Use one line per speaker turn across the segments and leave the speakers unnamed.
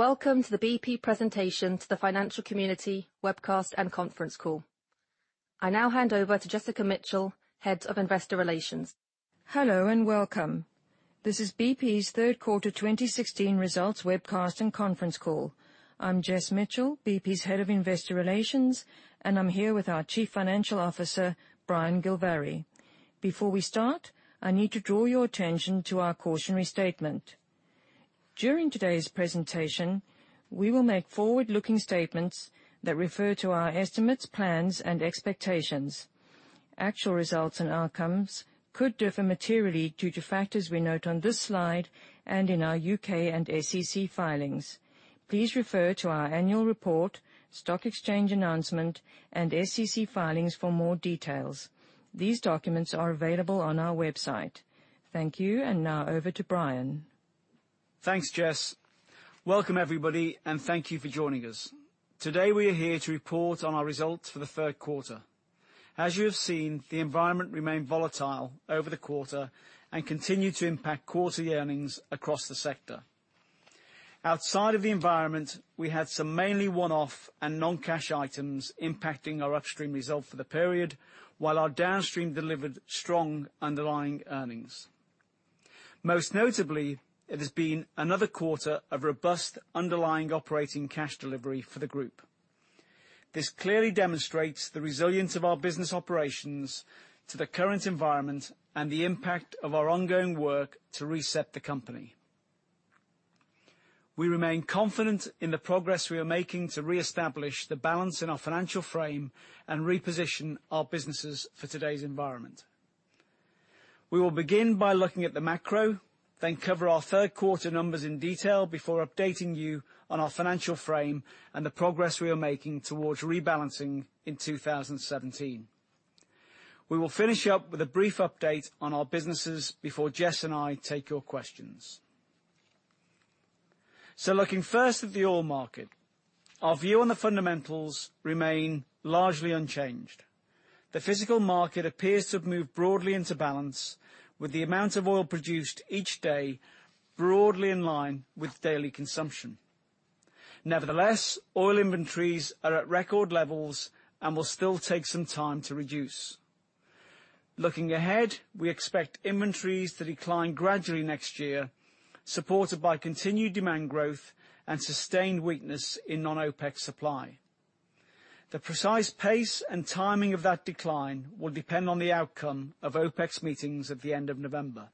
Welcome to the BP presentation to the financial community webcast and conference call. I now hand over to Jessica Mitchell, head of investor relations.
Hello and welcome. This is BP's third quarter 2016 results webcast and conference call. I'm Jess Mitchell, BP's head of investor relations, and I'm here with our Chief Financial Officer, Brian Gilvary. Before we start, I need to draw your attention to our cautionary statement. During today's presentation, we will make forward-looking statements that refer to our estimates, plans, and expectations. Actual results and outcomes could differ materially due to factors we note on this slide and in our U.K. and SEC filings. Please refer to our annual report, stock exchange announcement, and SEC filings for more details. These documents are available on our website. Thank you, now over to Brian.
Thanks, Jess. Welcome, everybody, and thank you for joining us. Today, we are here to report on our results for the third quarter. As you have seen, the environment remained volatile over the quarter and continued to impact quarterly earnings across the sector. Outside of the environment, we had some mainly one-off and non-cash items impacting our upstream result for the period, while our downstream delivered strong underlying earnings. Most notably, it has been another quarter of robust underlying operating cash delivery for the group. This clearly demonstrates the resilience of our business operations to the current environment and the impact of our ongoing work to reset the company. We remain confident in the progress we are making to reestablish the balance in our financial frame and reposition our businesses for today's environment. We will begin by looking at the macro, then cover our third quarter numbers in detail before updating you on our financial frame and the progress we are making towards rebalancing in 2017. We will finish up with a brief update on our businesses before Jess and I take your questions. Looking first at the oil market. Our view on the fundamentals remain largely unchanged. The physical market appears to have moved broadly into balance, with the amount of oil produced each day broadly in line with daily consumption. Nevertheless, oil inventories are at record levels and will still take some time to reduce. Looking ahead, we expect inventories to decline gradually next year, supported by continued demand growth and sustained weakness in non-OPEC supply. The precise pace and timing of that decline will depend on the outcome of OPEC's meetings at the end of November.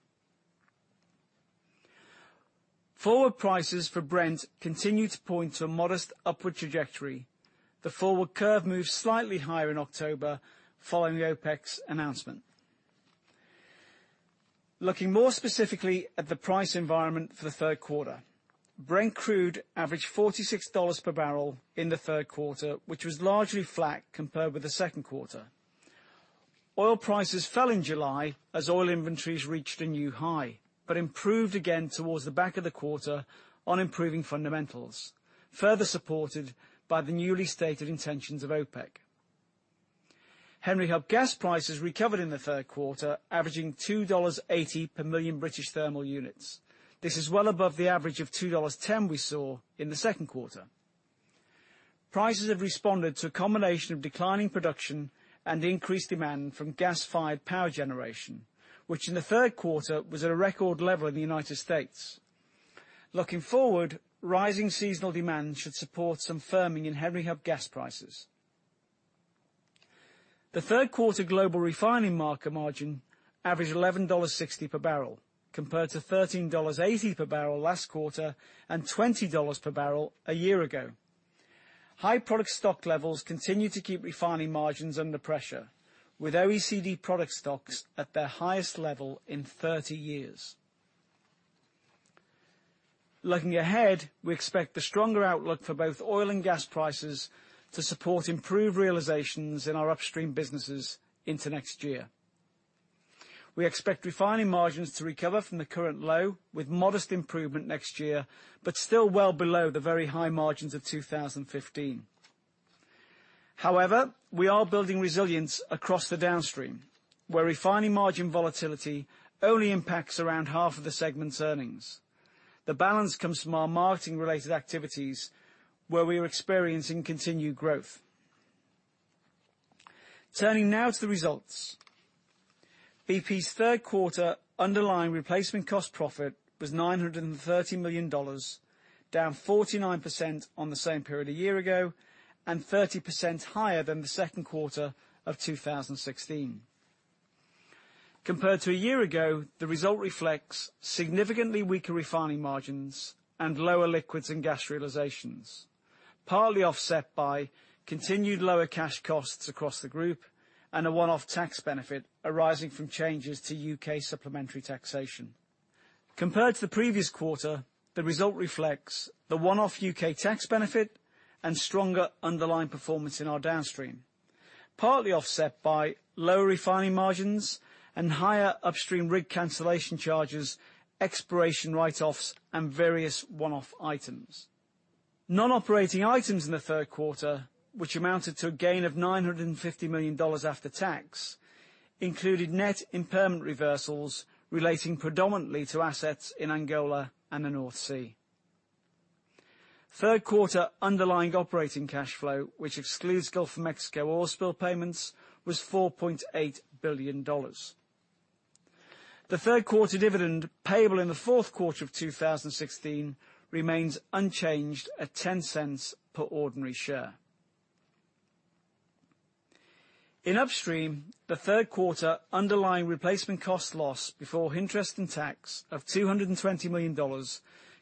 Forward prices for Brent continue to point to a modest upward trajectory. The forward curve moved slightly higher in October following the OPEC's announcement. Looking more specifically at the price environment for the third quarter, Brent crude averaged $46 per barrel in the third quarter, which was largely flat compared with the second quarter. Oil prices fell in July as oil inventories reached a new high, but improved again towards the back of the quarter on improving fundamentals, further supported by the newly stated intentions of OPEC. Henry Hub gas prices recovered in the third quarter, averaging $2.80 per million British thermal units. This is well above the average of $2.10 we saw in the second quarter. Prices have responded to a combination of declining production and increased demand from gas-fired power generation, which in the third quarter was at a record level in the U.S. Looking forward, rising seasonal demand should support some firming in Henry Hub gas prices. The third quarter global refining market margin averaged $11.60 per barrel, compared to $13.80 per barrel last quarter and $20 per barrel a year ago. High product stock levels continue to keep refining margins under pressure, with OECD product stocks at their highest level in 30 years. Looking ahead, we expect the stronger outlook for both oil and gas prices to support improved realizations in our upstream businesses into next year. We expect refining margins to recover from the current low, with modest improvement next year, but still well below the very high margins of 2015. We are building resilience across the downstream, where refining margin volatility only impacts around half of the segment's earnings. The balance comes from our marketing-related activities, where we are experiencing continued growth. Turning now to the results. BP's third quarter underlying replacement cost profit was $930 million, down 49% on the same period a year ago and 30% higher than the second quarter of 2016. Compared to a year ago, the result reflects significantly weaker refining margins and lower liquids and gas realizations, partly offset by continued lower cash costs across the group and a one-off tax benefit arising from changes to U.K. supplementary taxation. Compared to the previous quarter, the result reflects the one-off U.K. tax benefit and stronger underlying performance in our downstream, partly offset by lower refining margins and higher upstream rig cancellation charges, exploration write-offs, and various one-off items. Non-operating items in the third quarter, which amounted to a gain of $950 million after tax, included net impairment reversals relating predominantly to assets in Angola and the North Sea. Third quarter underlying operating cash flow, which excludes Gulf of Mexico oil spill payments, was $4.8 billion. The third quarter dividend payable in the fourth quarter of 2016 remains unchanged at $0.10 per ordinary share. In Upstream, the third quarter underlying replacement cost loss before interest and tax of $220 million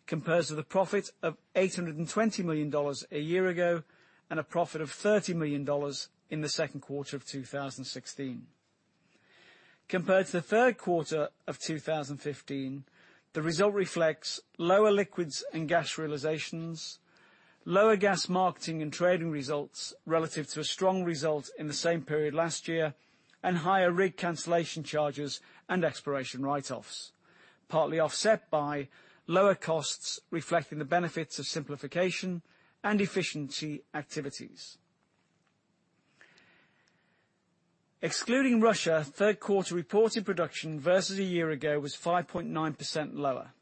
compares to the profit of $820 million a year ago and a profit of $30 million in the second quarter of 2016. Compared to the third quarter of 2015, the result reflects lower liquids and gas realizations, lower gas marketing and trading results relative to a strong result in the same period last year, and higher rig cancellation charges and exploration write-offs, partly offset by lower costs reflecting the benefits of simplification and efficiency activities. Excluding Russia, third quarter reported production versus a year ago was 5.9% lower.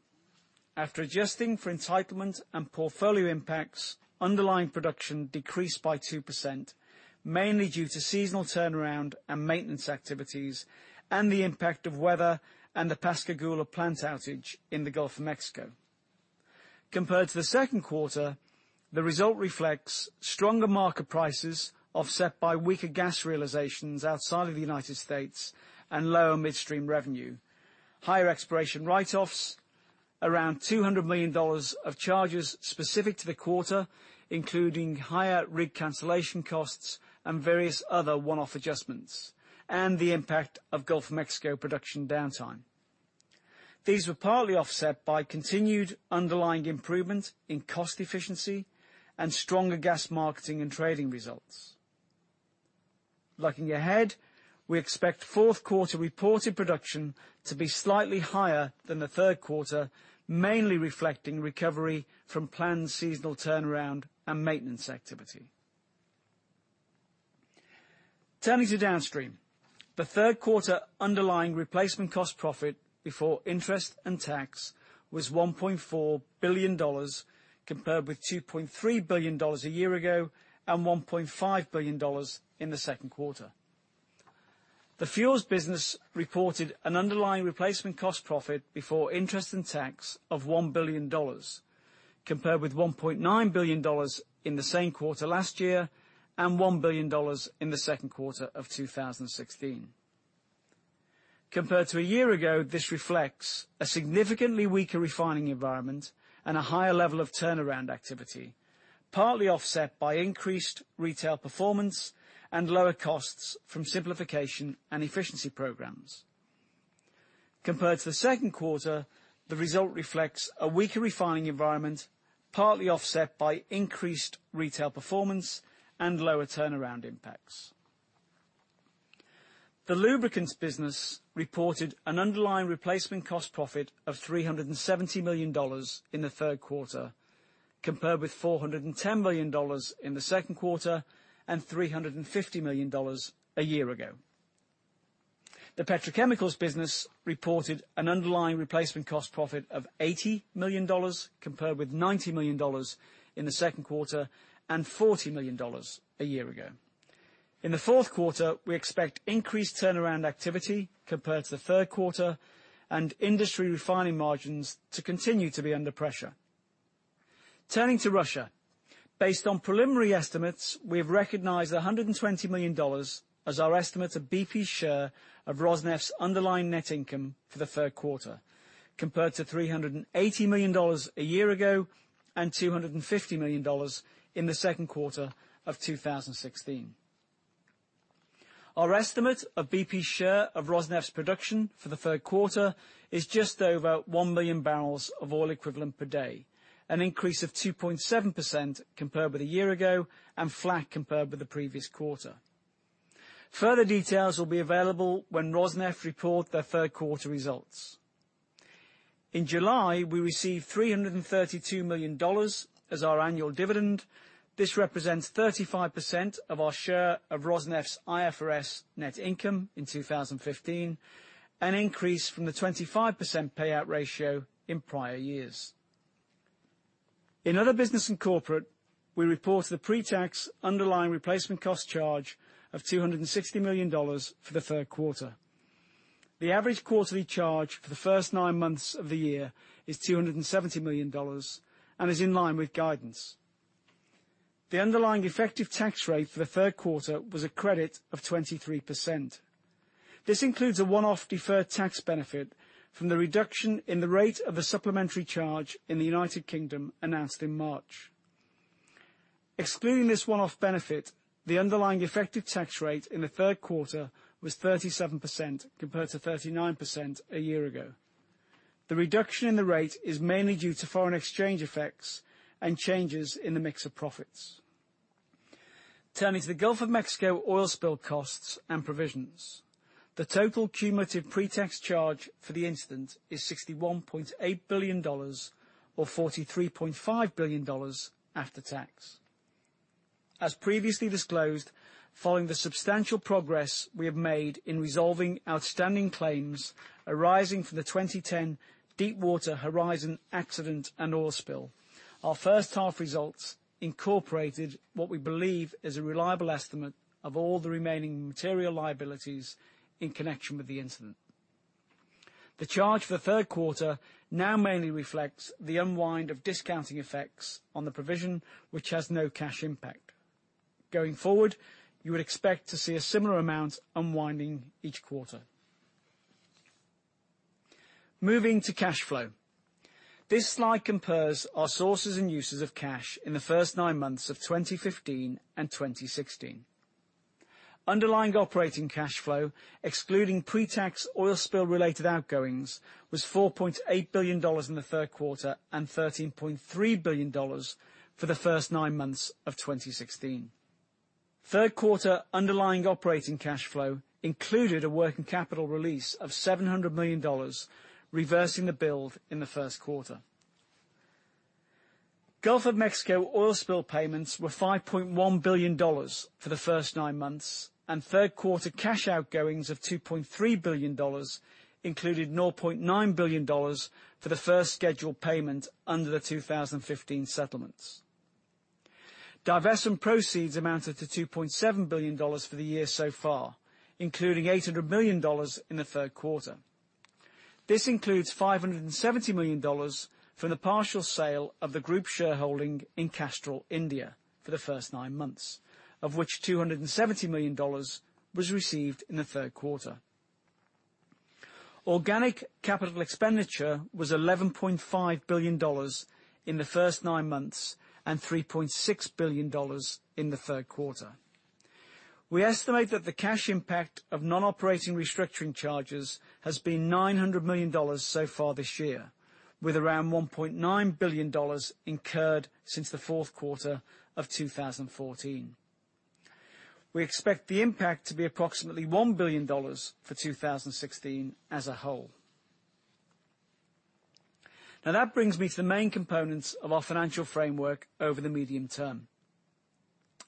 After adjusting for entitlement and portfolio impacts, underlying production decreased by 2%, mainly due to seasonal turnaround and maintenance activities and the impact of weather and the Pascagoula plant outage in the Gulf of Mexico. Compared to the second quarter, the result reflects stronger market prices offset by weaker gas realizations outside of the United States and lower midstream revenue, higher exploration write-offs, around GBP 200 million of charges specific to the quarter, including higher rig cancellation costs and various other one-off adjustments, and the impact of Gulf of Mexico production downtime. These were partly offset by continued underlying improvement in cost efficiency and stronger gas marketing and trading results. Looking ahead, we expect fourth quarter reported production to be slightly higher than the third quarter, mainly reflecting recovery from planned seasonal turnaround and maintenance activity. Turning to Downstream, the third quarter underlying replacement cost profit before interest and tax was GBP 1.4 billion, compared with GBP 2.3 billion a year ago and GBP 1.5 billion in the second quarter. The fuels business reported an underlying replacement cost profit before interest and tax of GBP 1 billion, compared with GBP 1.9 billion in the same quarter last year and GBP 1 billion in the second quarter of 2016. Compared to a year ago, this reflects a significantly weaker refining environment and a higher level of turnaround activity, partly offset by increased retail performance and lower costs from simplification and efficiency programs. Compared to the second quarter, the result reflects a weaker refining environment, partly offset by increased retail performance and lower turnaround impacts. The lubricants business reported an underlying replacement cost profit of GBP 370 million in the third quarter, compared with GBP 410 million in the second quarter and GBP 350 million a year ago. The petrochemicals business reported an underlying replacement cost profit of GBP 80 million, compared with GBP 90 million in the second quarter and GBP 40 million a year ago. In the fourth quarter, we expect increased turnaround activity compared to the third quarter and industry refining margins to continue to be under pressure. Turning to Russia, based on preliminary estimates, we have recognized GBP 120 million as our estimate of BP's share of Rosneft's underlying net income for the third quarter, compared to GBP 380 million a year ago and GBP 250 million in the second quarter of 2016. Our estimate of BP's share of Rosneft's production for the third quarter is just over 1 million barrels of oil equivalent per day, an increase of 2.7% compared with a year ago and flat compared with the previous quarter. Further details will be available when Rosneft report their third-quarter results. In July, we received GBP 332 million as our annual dividend. This represents 35% of our share of Rosneft's IFRS net income in 2015, an increase from the 25% payout ratio in prior years. In other business and corporate, we report the pre-tax underlying replacement cost charge of GBP 260 million for the third quarter. The average quarterly charge for the first nine months of the year is GBP 270 million and is in line with guidance. The underlying effective tax rate for the third quarter was a credit of 23%. This includes a one-off deferred tax benefit from the reduction in the rate of the supplementary charge in the U.K. announced in March. Excluding this one-off benefit, the underlying effective tax rate in the third quarter was 37% compared to 39% a year ago. The reduction in the rate is mainly due to foreign exchange effects and changes in the mix of profits. Turning to the Gulf of Mexico oil spill costs and provisions, the total cumulative pre-tax charge for the incident is $61.8 billion or $43.5 billion after tax. As previously disclosed, following the substantial progress we have made in resolving outstanding claims arising from the 2010 Deepwater Horizon accident and oil spill, our first half results incorporated what we believe is a reliable estimate of all the remaining material liabilities in connection with the incident. The charge for third quarter now mainly reflects the unwind of discounting effects on the provision, which has no cash impact. Going forward, you would expect to see a similar amount unwinding each quarter. Moving to cash flow. This slide compares our sources and uses of cash in the first nine months of 2015 and 2016. Underlying operating cash flow, excluding pre-tax oil spill related outgoings, was $4.8 billion in the third quarter and $13.3 billion for the first nine months of 2016. Third quarter underlying operating cash flow included a working capital release of $700 million, reversing the build in the first quarter. Gulf of Mexico oil spill payments were $5.1 billion for the first nine months, and third quarter cash outgoings of $2.3 billion included $9.9 billion for the first scheduled payment under the 2015 settlements. Divestment proceeds amounted to $2.7 billion for the year so far, including $800 million in the third quarter. This includes $570 million from the partial sale of the group shareholding in Castrol India for the first nine months, of which $270 million was received in the third quarter. Organic capital expenditure was $11.5 billion in the first nine months and $3.6 billion in the third quarter. We estimate that the cash impact of non-operating restructuring charges has been $900 million so far this year, with around $1.9 billion incurred since the fourth quarter of 2014. We expect the impact to be approximately $1 billion for 2016 as a whole. That brings me to the main components of our financial framework over the medium term.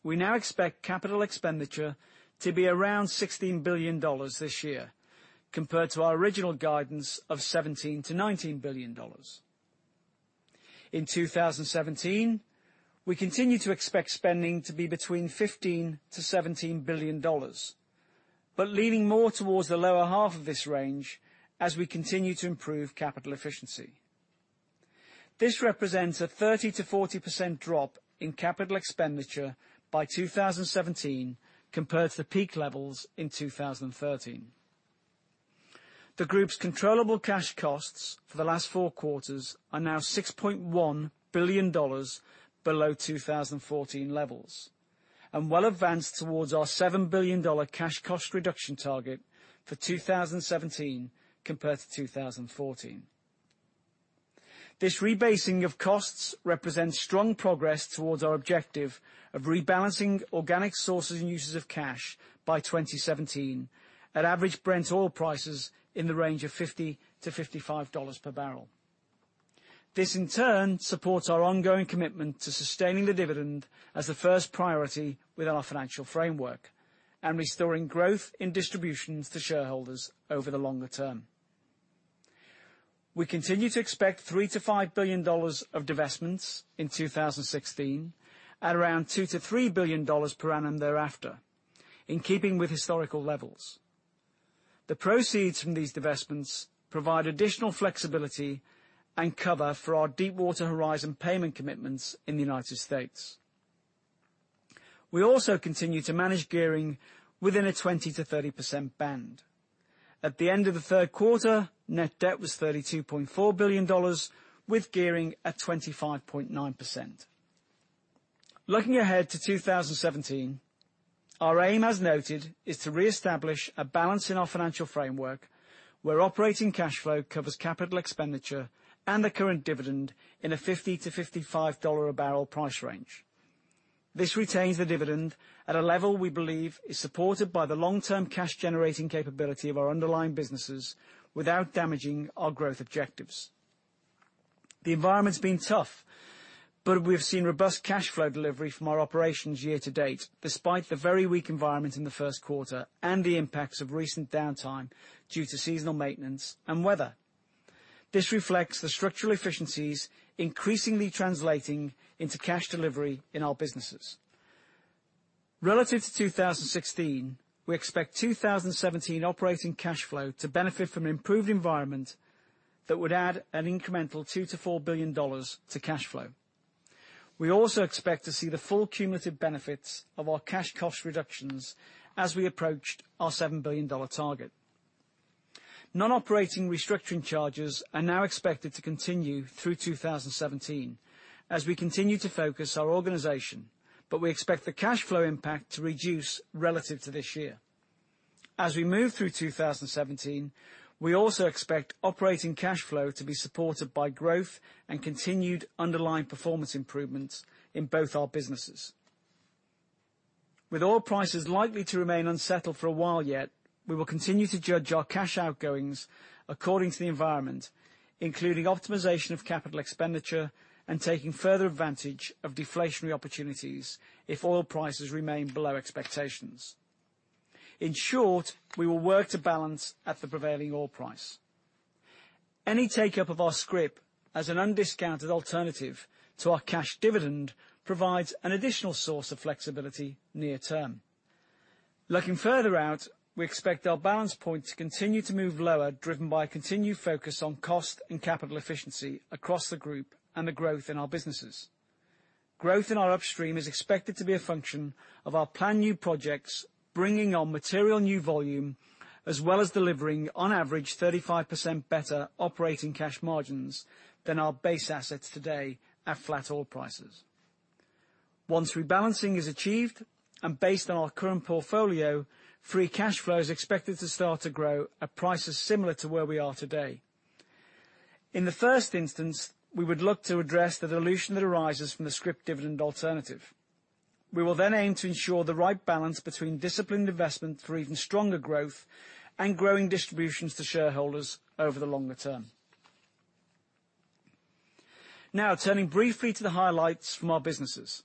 We now expect capital expenditure to be around $16 billion this year compared to our original guidance of $17 billion to $19 billion. In 2017, we continue to expect spending to be between $15 billion-$17 billion, but leaning more towards the lower half of this range as we continue to improve capital efficiency. This represents a 30%-40% drop in capital expenditure by 2017 compared to the peak levels in 2013. The group's controllable cash costs for the last four quarters are now $6.1 billion below 2014 levels, and well advanced towards our $7 billion cash cost reduction target for 2017 compared to 2014. This rebasing of costs represents strong progress towards our objective of rebalancing organic sources and uses of cash by 2017 at average Brent oil prices in the range of $50-$55 per barrel. This, in turn, supports our ongoing commitment to sustaining the dividend as the first priority with our financial framework and restoring growth in distributions to shareholders over the longer term. We continue to expect GBP 3 billion-GBP 5 billion of divestments in 2016 at around GBP 2 billion-GBP 3 billion per annum thereafter, in keeping with historical levels. The proceeds from these divestments provide additional flexibility and cover for our Deepwater Horizon payment commitments in the U.S. We also continue to manage gearing within a 20%-30% band. At the end of the third quarter, net debt was GBP 32.4 billion with gearing at 25.9%. Looking ahead to 2017, our aim, as noted, is to reestablish a balance in our financial framework where operating cash flow covers CapEx and the current dividend in a GBP 50-GBP 55 a barrel price range. This retains the dividend at a level we believe is supported by the long-term cash generating capability of our underlying businesses without damaging our growth objectives. The environment's been tough. We've seen robust cash flow delivery from our operations year-to-date, despite the very weak environment in the first quarter and the impacts of recent downtime due to seasonal maintenance and weather. This reflects the structural efficiencies increasingly translating into cash delivery in our businesses. Relative to 2016, we expect 2017 operating cash flow to benefit from an improved environment that would add an incremental GBP 2 billion-GBP 4 billion to cash flow. We also expect to see the full cumulative benefits of our cash cost reductions as we approach our GBP 7 billion target. Non-operating restructuring charges are now expected to continue through 2017 as we continue to focus our organization. We expect the cash flow impact to reduce relative to this year. As we move through 2017, we also expect operating cash flow to be supported by growth and continued underlying performance improvements in both our businesses. With oil prices likely to remain unsettled for a while yet, we will continue to judge our cash outgoings according to the environment, including optimization of CapEx and taking further advantage of deflationary opportunities if oil prices remain below expectations. In short, we will work to balance at the prevailing oil price. Any take-up of our scrip as an undiscounted alternative to our cash dividend provides an additional source of flexibility near term. Looking further out, we expect our balance point to continue to move lower, driven by a continued focus on cost and capital efficiency across the group and the growth in our businesses. Growth in our upstream is expected to be a function of our planned new projects, bringing on material new volume, as well as delivering on average 35% better operating cash margins than our base assets today at flat oil prices. Once rebalancing is achieved and based on our current portfolio, free cash flow is expected to start to grow at prices similar to where we are today. In the first instance, we would look to address the dilution that arises from the scrip dividend alternative. We will then aim to ensure the right balance between disciplined investment for even stronger growth and growing distributions to shareholders over the longer term. Turning briefly to the highlights from our businesses.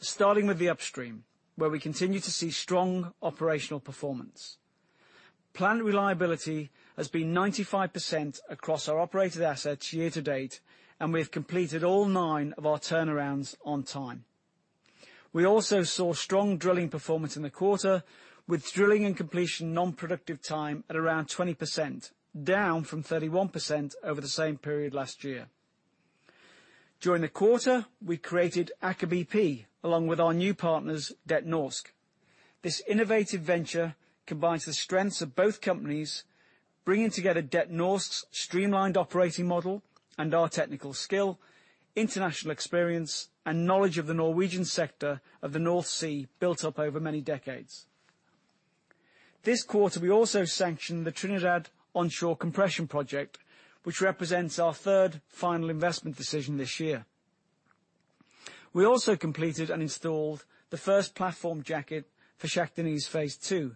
Starting with the upstream, where we continue to see strong operational performance. Plant reliability has been 95% across our operated assets year to date, and we have completed all nine of our turnarounds on time. We also saw strong drilling performance in the quarter, with drilling and completion non-productive time at around 20%, down from 31% over the same period last year. During the quarter, we created Aker BP, along with our new partners, Det Norske. This innovative venture combines the strengths of both companies, bringing together Det Norske's streamlined operating model and our technical skill, international experience and knowledge of the Norwegian sector of the North Sea built up over many decades. This quarter, we also sanctioned the Trinidad Onshore Compression project, which represents our third final investment decision this year. We also completed and installed the first platform jacket for Shah Deniz Phase 2,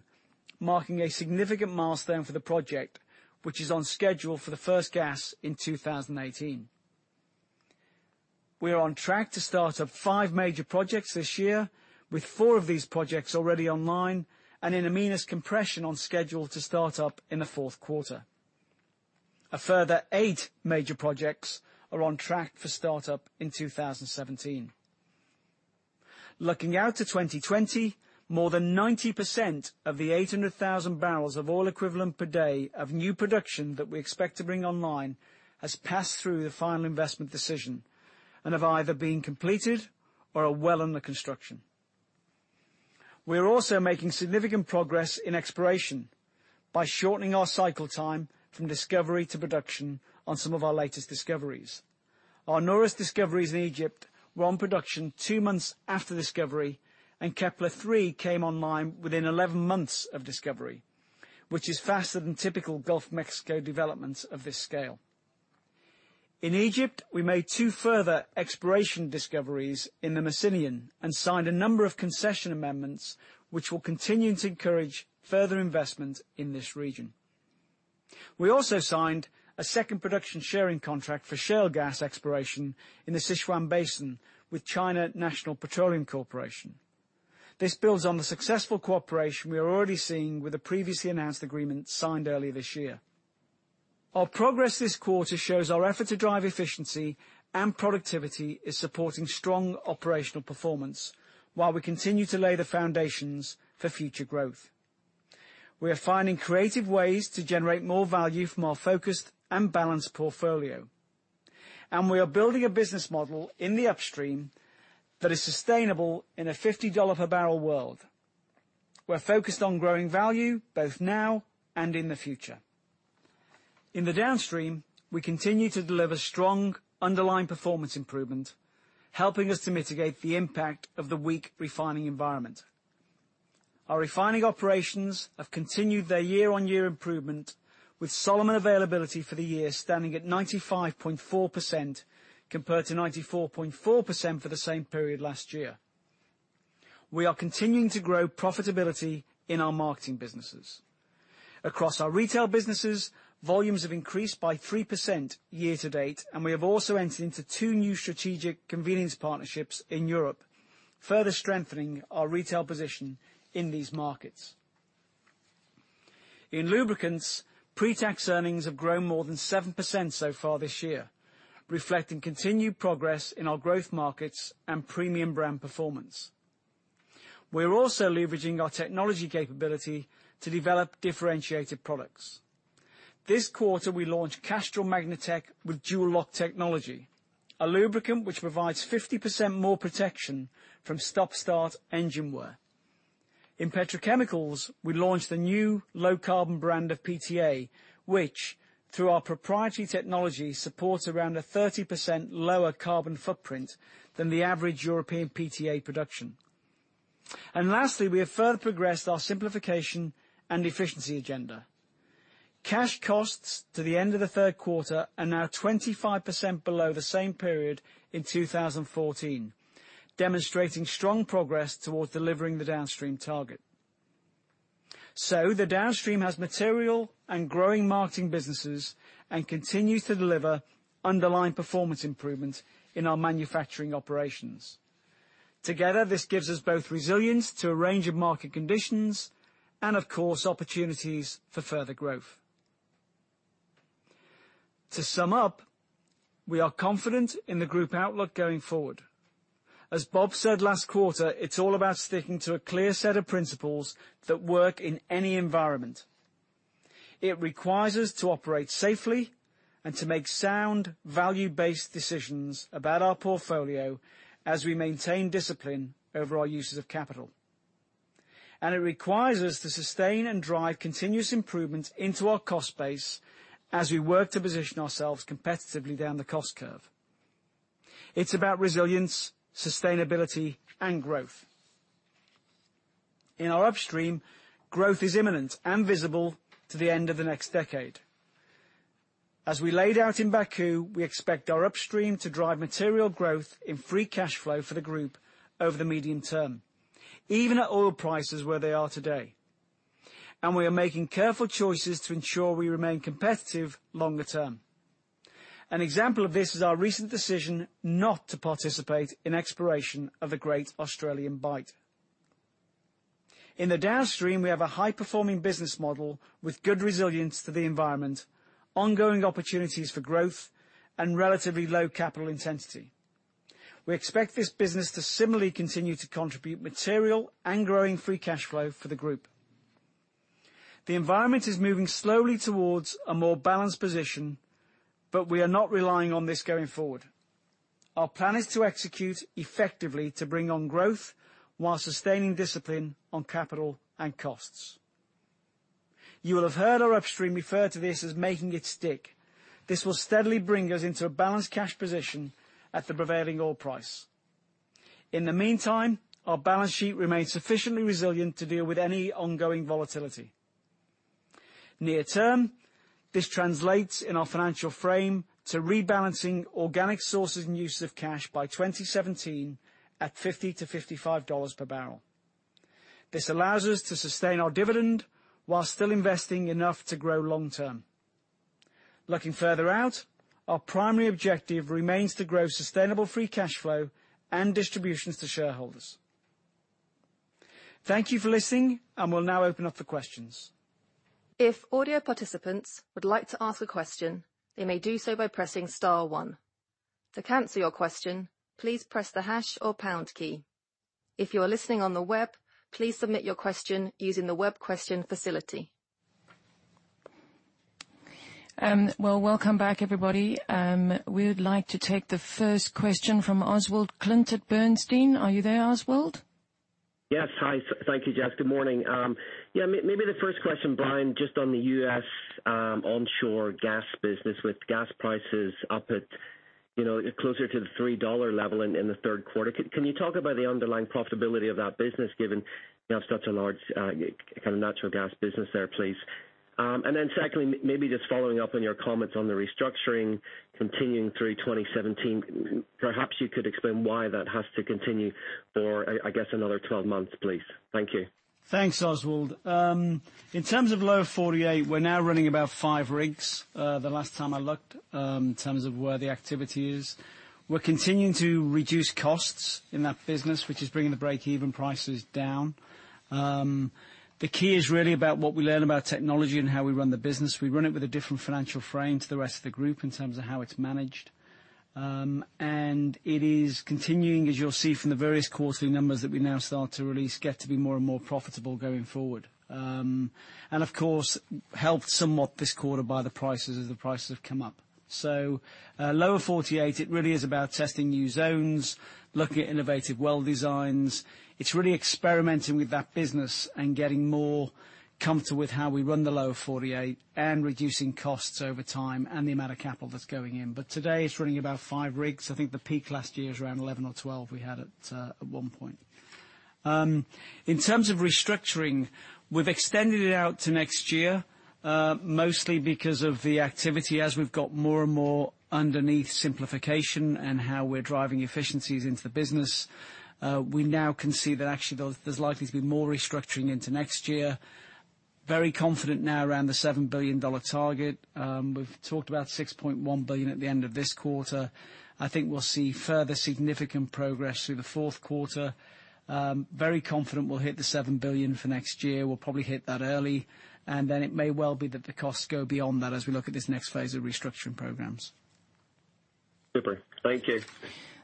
marking a significant milestone for the project, which is on schedule for the first gas in 2018. We are on track to start up five major projects this year, with four of these projects already online and In Amenas Compression on schedule to start up in the fourth quarter. A further eight major projects are on track for start-up in 2017. Looking out to 2020, more than 90% of the 800,000 barrels of oil equivalent per day of new production that we expect to bring online has passed through the final investment decision and have either been completed or are well under construction. We are also making significant progress in exploration by shortening our cycle time from discovery to production on some of our latest discoveries. Our Nooros discoveries in Egypt were on production two months after discovery, and Kepler-3 came online within 11 months of discovery, which is faster than typical Gulf of Mexico developments of this scale. In Egypt, we made two further exploration discoveries in the Messinian and signed a number of concession amendments which will continue to encourage further investment in this region. We also signed a second production sharing contract for shale gas exploration in the Sichuan Basin with China National Petroleum Corporation. This builds on the successful cooperation we are already seeing with a previously announced agreement signed earlier this year. Our progress this quarter shows our effort to drive efficiency and productivity is supporting strong operational performance while we continue to lay the foundations for future growth. We are finding creative ways to generate more value from our focused and balanced portfolio, and we are building a business model in the upstream that is sustainable in a GBP 50 per barrel world. We are focused on growing value both now and in the future. In the downstream, we continue to deliver strong underlying performance improvement, helping us to mitigate the impact of the weak refining environment. Our refining operations have continued their year-on-year improvement with Solomon availability for the year standing at 95.4%, compared to 94.4% for the same period last year. We are continuing to grow profitability in our marketing businesses. Across our retail businesses, volumes have increased by 3% year to date, and we have also entered into two new strategic convenience partnerships in Europe, further strengthening our retail position in these markets. In lubricants, pre-tax earnings have grown more than 7% so far this year, reflecting continued progress in our growth markets and premium brand performance. We are also leveraging our technology capability to develop differentiated products. This quarter, we launched Castrol MAGNATEC with DUALOCK technology, a lubricant which provides 50% more protection from stop-start engine wear. In petrochemicals, we launched a new low-carbon brand of PTA, which through our proprietary technology supports around a 30% lower carbon footprint than the average European PTA production. Lastly, we have further progressed our simplification and efficiency agenda. Cash costs to the end of the third quarter are now 25% below the same period in 2014, demonstrating strong progress towards delivering the downstream target. The downstream has material and growing marketing businesses and continues to deliver underlying performance improvement in our manufacturing operations. Together, this gives us both resilience to a range of market conditions and of course, opportunities for further growth. To sum up, we are confident in the group outlook going forward. As Rob said last quarter, it's all about sticking to a clear set of principles that work in any environment. It requires us to operate safely and to make sound, value-based decisions about our portfolio as we maintain discipline over our uses of capital. It requires us to sustain and drive continuous improvement into our cost base as we work to position ourselves competitively down the cost curve. It's about resilience, sustainability, and growth. In our upstream, growth is imminent and visible to the end of the next decade. As we laid out in Baku, we expect our upstream to drive material growth in free cash flow for the group over the medium term, even at oil prices where they are today. We are making careful choices to ensure we remain competitive longer term. An example of this is our recent decision not to participate in exploration of the Great Australian Bight. In the downstream, we have a high-performing business model with good resilience to the environment, ongoing opportunities for growth, and relatively low capital intensity. We expect this business to similarly continue to contribute material and growing free cash flow for the group. The environment is moving slowly towards a more balanced position, we are not relying on this going forward. Our plan is to execute effectively to bring on growth while sustaining discipline on capital and costs. You will have heard our upstream refer to this as making it stick. This will steadily bring us into a balanced cash position at the prevailing oil price. In the meantime, our balance sheet remains sufficiently resilient to deal with any ongoing volatility. Near term, this translates in our financial frame to rebalancing organic sources and uses of cash by 2017 at $50-$55 per barrel. This allows us to sustain our dividend while still investing enough to grow long term. Looking further out, our primary objective remains to grow sustainable free cash flow and distributions to shareholders. Thank you for listening, we'll now open up for questions.
If audio participants would like to ask a question, they may do so by pressing star one. To cancel your question, please press the hash or pound key. If you are listening on the web, please submit your question using the web question facility.
Welcome back, everybody. We would like to take the first question from Oswald Clint at Bernstein. Are you there, Oswald?
Yes. Hi. Thank you, Jess. Good morning. Maybe the first question, Brian, just on the U.S. onshore gas business, with gas prices up at closer to the $3 level in the third quarter, can you talk about the underlying profitability of that business, given it's such a large kind of natural gas business there, please? Secondly, maybe just following up on your comments on the restructuring continuing through 2017, perhaps you could explain why that has to continue for, I guess, another 12 months, please. Thank you.
Thanks, Oswald. In terms of Lower 48, we're now running about five rigs, the last time I looked, in terms of where the activity is. We're continuing to reduce costs in that business, which is bringing the break-even prices down. The key is really about what we learn about technology and how we run the business. We run it with a different financial frame to the rest of the group in terms of how it's managed. It is continuing, as you'll see from the various quarterly numbers that we now start to release, get to be more and more profitable going forward. Of course, helped somewhat this quarter by the prices, as the prices have come up. Lower 48, it really is about testing new zones, looking at innovative well designs. It's really experimenting with that business and getting more comfortable with how we run the Lower 48 and reducing costs over time and the amount of capital that's going in. Today, it's running about five rigs. I think the peak last year was around 11 or 12 we had at one point. In terms of restructuring, we've extended it out to next year, mostly because of the activity as we've got more and more underneath simplification and how we're driving efficiencies into the business. We now can see that actually there's likely to be more restructuring into next year. Very confident now around the GBP 7 billion target. We've talked about $6.1 billion at the end of this quarter. I think we'll see further significant progress through the fourth quarter. Very confident we'll hit the 7 billion for next year. We'll probably hit that early, and then it may well be that the costs go beyond that as we look at this next phase of restructuring programs.
Super. Thank you.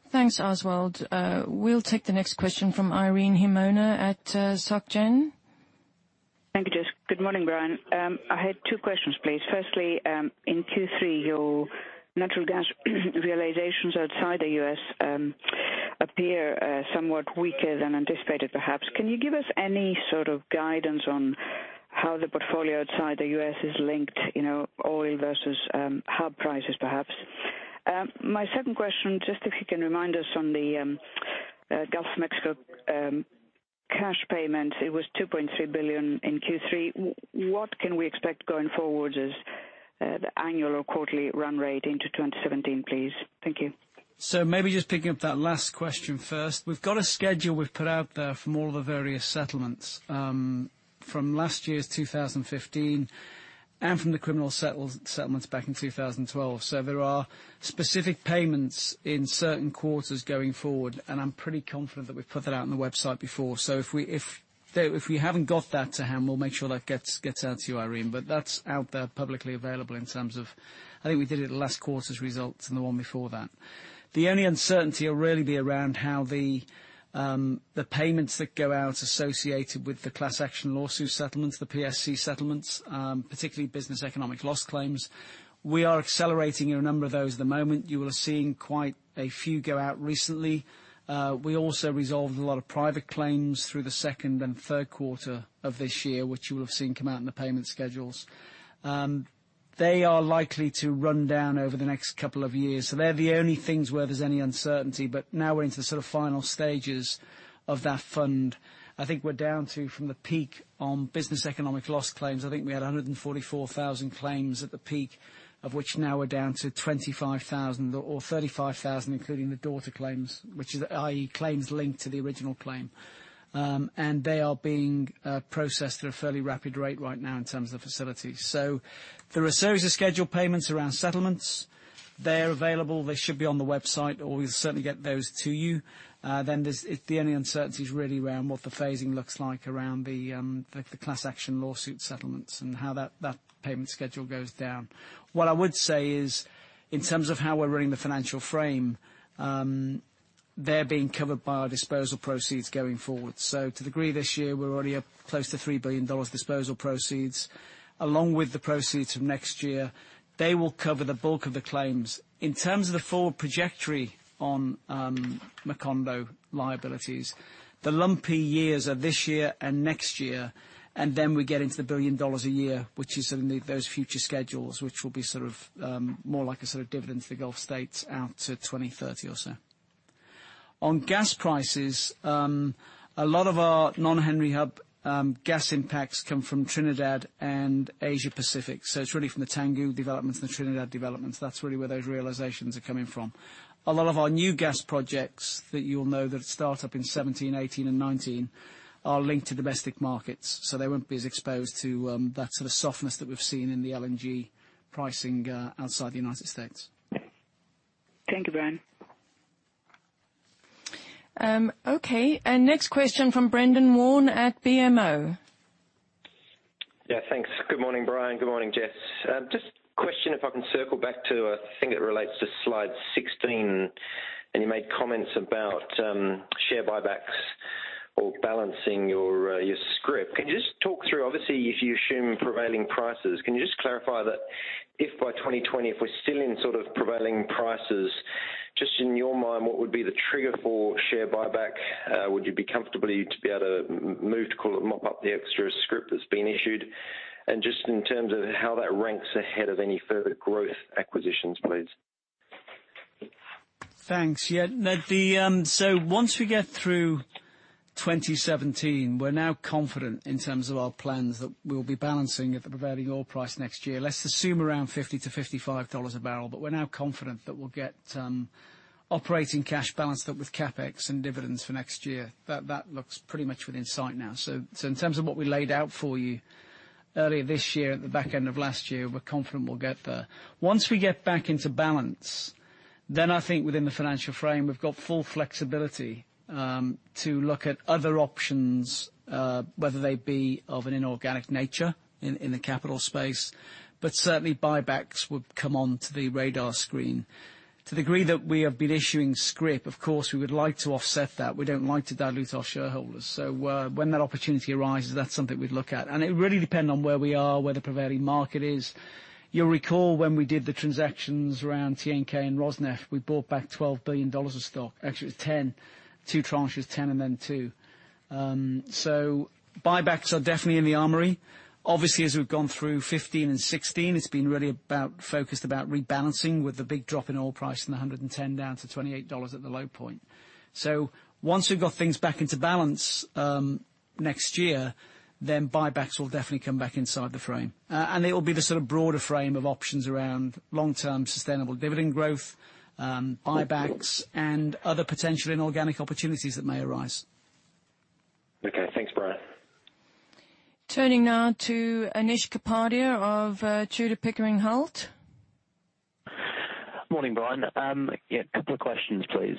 Thanks, Oswald. We'll take the next question from Irene Himona at Société Générale.
Thank you, Jess. Good morning, Brian. I had two questions, please. Firstly, in Q3, your natural gas realizations outside the U.S. appear somewhat weaker than anticipated, perhaps. Can you give us any sort of guidance on how the portfolio outside the U.S. is linked, oil versus hub prices perhaps? My second question, just if you can remind us on the Gulf of Mexico cash payment, it was 2.3 billion in Q3. What can we expect going forward as the annual or quarterly run rate into 2017, please? Thank you.
Maybe just picking up that last question first. We've got a schedule we've put out there from all the various settlements from last year's 2015 and from the criminal settlements back in 2012. There are specific payments in certain quarters going forward, and I'm pretty confident that we've put that out on the website before. If we haven't got that to hand, we'll make sure that gets out to you, Irene. That's out there publicly available in terms of, I think we did it at last quarter's results and the one before that. The only uncertainty will really be around how the payments that go out associated with the class action lawsuit settlements, the PSC settlements, particularly business economic loss claims. We are accelerating a number of those at the moment. You will have seen quite a few go out recently. We also resolved a lot of private claims through the second and third quarter of this year, which you will have seen come out in the payment schedules. They are likely to run down over the next couple of years. They're the only things where there's any uncertainty. Now we're into the final stages of that fund. I think we're down to, from the peak on business economic loss claims, I think we had 144,000 claims at the peak, of which now we're down to 25,000 or 35,000, including the daughter claims, which is i.e. claims linked to the original claim. They are being processed at a fairly rapid rate right now in terms of facilities. There are a series of scheduled payments around settlements. They're available, they should be on the website, or we'll certainly get those to you. The only uncertainty is really around what the phasing looks like around the class action lawsuit settlements and how that payment schedule goes down. What I would say is, in terms of how we're running the financial frame, they're being covered by our disposal proceeds going forward. To degree this year, we're already up close to GBP 3 billion disposal proceeds. Along with the proceeds of next year, they will cover the bulk of the claims. In terms of the forward trajectory on Macondo liabilities, the lumpy years are this year and next year, and then we get into GBP 1 billion a year, which is those future schedules, which will be more like a dividend to the Gulf states out to 2030 or so. On gas prices, a lot of our non-Henry Hub gas impacts come from Trinidad and Asia Pacific. It's really from the Tangguh developments and the Trinidad developments. That's really where those realizations are coming from. A lot of our new gas projects that you'll know that start up in 2017, 2018, and 2019 are linked to domestic markets, so they won't be as exposed to that sort of softness that we've seen in the LNG pricing outside the U.S.
Thank you, Brian.
Next question from Brendan Warn at BMO.
Yeah, thanks. Good morning, Brian. Good morning, Jess. Just a question, if I can circle back to a thing that relates to slide 16, and you made comments about share buybacks or balancing your scrip. Can you just talk through, obviously, if you assume prevailing prices, can you just clarify that if by 2020, if we're still in prevailing prices, just in your mind, what would be the trigger for share buyback? Would you be comfortable to be able to move to call it mop up the extra scrip that's been issued? Just in terms of how that ranks ahead of any further growth acquisitions, please.
Thanks. Yeah. Once we get through 2017, we're now confident in terms of our plans that we'll be balancing at the prevailing oil price next year. Let's assume around $50 to $55 a barrel, we're now confident that we'll get operating cash balanced up with CapEx and dividends for next year. That looks pretty much within sight now. In terms of what we laid out for you earlier this year, at the back end of last year, we're confident we'll get there. Once we get back into balance, I think within the financial frame, we've got full flexibility to look at other options, whether they be of an inorganic nature in the capital space. Certainly buybacks would come onto the radar screen. To the degree that we have been issuing scrip, of course, we would like to offset that. We don't like to dilute our shareholders. When that opportunity arises, that's something we'd look at. It really depend on where we are, where the prevailing market is. You'll recall when we did the transactions around TNK-BP and Rosneft, we bought back $12 billion of stock. Actually, it was $10, two tranches, $10 and then $2. Buybacks are definitely in the armory. Obviously, as we've gone through 2015 and 2016, it's been really focused about rebalancing with the big drop in oil price from $110 down to $28 at the low point. Once we've got things back into balance, next year, buybacks will definitely come back inside the frame. It will be the sort of broader frame of options around long-term sustainable dividend growth, buybacks, and other potential inorganic opportunities that may arise.
Okay, thanks, Brian.
Turning now to Anish Kapadia of Tudor, Pickering Holt.
Morning, Brian. Yeah, a couple of questions, please.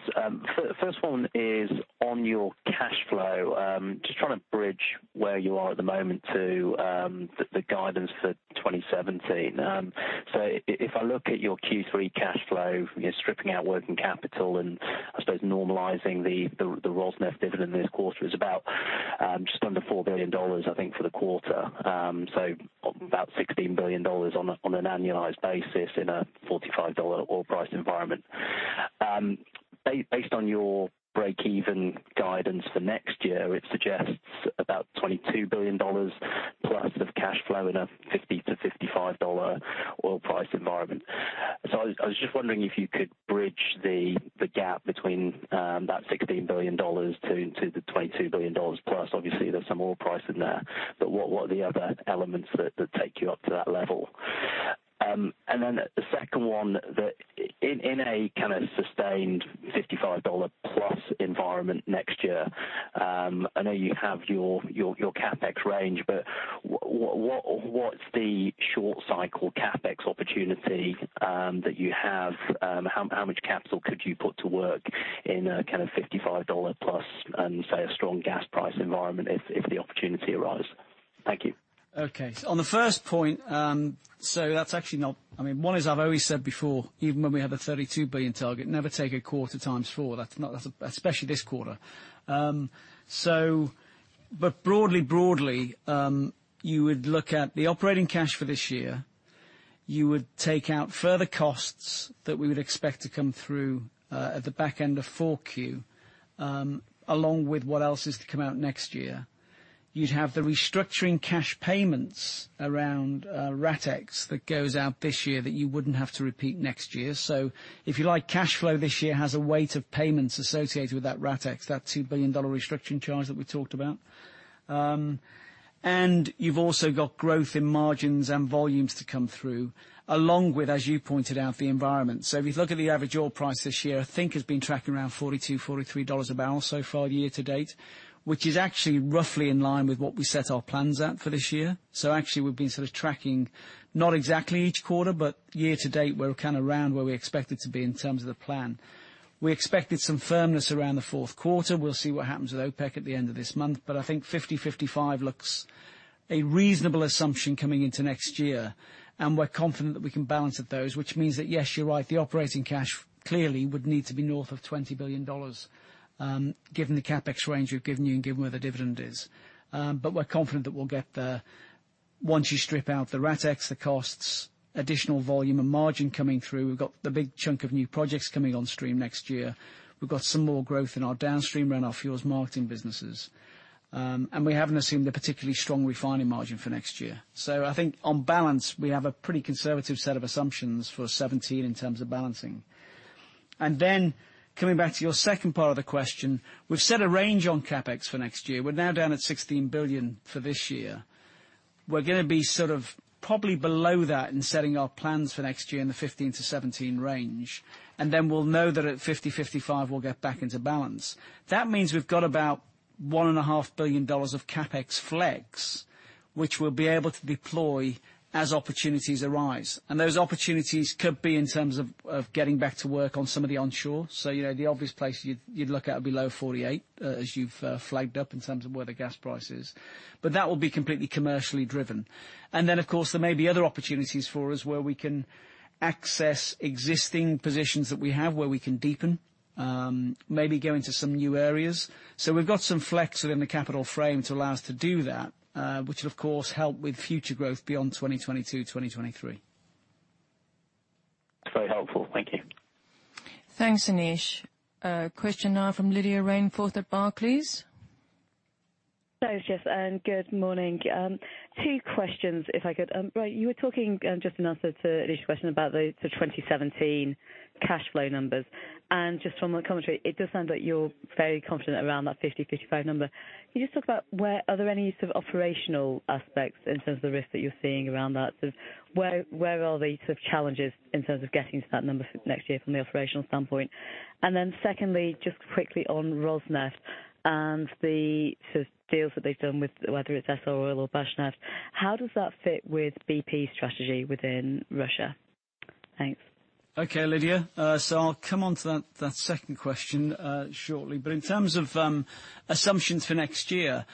First one is on your cash flow. Just trying to bridge where you are at the moment to the guidance for 2017. If I look at your Q3 cash flow, stripping out working capital and I suppose normalizing the Rosneft dividend this quarter is about just under $4 billion, I think, for the quarter. About $16 billion on an annualized basis in a $45 oil price environment. Based on your breakeven guidance for next year, it suggests about $22 billion plus of cash flow in a $50-$55 oil price environment. I was just wondering if you could bridge the gap between that $16 billion to the $22 billion plus. Obviously, there's some oil price in there, but what are the other elements that take you up to that level? The second one, in a sustained $55 plus environment next year, I know you have your CapEx range, but what's the short cycle CapEx opportunity that you have? How much capital could you put to work in a kind of $55 plus and say a strong gas price environment if the opportunity arises? Thank you.
Okay. On the first point, one is I've always said before, even when we had the $32 billion target, never take a quarter times four. Especially this quarter. Broadly, you would look at the operating cash for this year. You would take out further costs that we would expect to come through, at the back end of 4Q, along with what else is to come out next year. You'd have the restructuring cash payments around RestEx that goes out this year that you wouldn't have to repeat next year. If you like, cash flow this year has a weight of payments associated with that RestEx, that $2 billion restructuring charge that we talked about. You've also got growth in margins and volumes to come through along with, as you pointed out, the environment. If you look at the average oil price this year, I think it's been tracking around $42-$43 a barrel so far year to date, which is actually roughly in line with what we set our plans at for this year. Actually, we've been sort of tracking, not exactly each quarter, but year to date, we're kind of around where we expected to be in terms of the plan. We expected some firmness around the fourth quarter. We'll see what happens with OPEC at the end of this month. I think $50-$55 looks a reasonable assumption coming into next year, and we're confident that we can balance at those, which means that, yes, you're right, the operating cash clearly would need to be north of $20 billion, given the CapEx range we've given you and given where the dividend is. We're confident that we'll get there. Once you strip out the RestEx, the costs, additional volume and margin coming through. We've got the big chunk of new projects coming on stream next year. We've got some more growth in our downstream renewable fuels marketing businesses. We haven't assumed a particularly strong refining margin for next year. I think on balance, we have a pretty conservative set of assumptions for 2017 in terms of balancing. Coming back to your second part of the question. We've set a range on CapEx for next year. We're now down at 16 billion for this year. We're going to be sort of probably below that in setting our plans for next year in the 15 billion-17 billion range. Then we'll know that at $50, $55, we'll get back into balance. That means we've got about GBP 1.5 billion of CapEx flex, which we'll be able to deploy as opportunities arise. Those opportunities could be in terms of getting back to work on some of the onshore. The obvious place you'd look at would be Lower 48, as you've flagged up in terms of where the gas price is. That will be completely commercially driven. Of course, there may be other opportunities for us where we can access existing positions that we have, where we can deepen, maybe go into some new areas. We've got some flex within the capital frame to allow us to do that, which will, of course, help with future growth beyond 2022, 2023.
Very helpful. Thank you.
Thanks, Anish. Question now from Lydia Rainforth at Barclays.
Thanks, Jess, good morning. Two questions, if I could. You were talking just in answer to Anish's question about the 2017 cash flow numbers. Just from the commentary, it does sound like you're very confident around that $50-$55 number. Can you just talk about are there any sort of operational aspects in terms of the risk that you're seeing around that? Where are the sort of challenges in terms of getting to that number for next year from the operational standpoint? Secondly, just quickly on Rosneft and the sort of deals that they've done with whether it's Essar Oil or Bashneft, how does that fit with BP's strategy within Russia? Thanks.
Okay, Lydia. I'll come onto that second question shortly. In terms of assumptions for next year,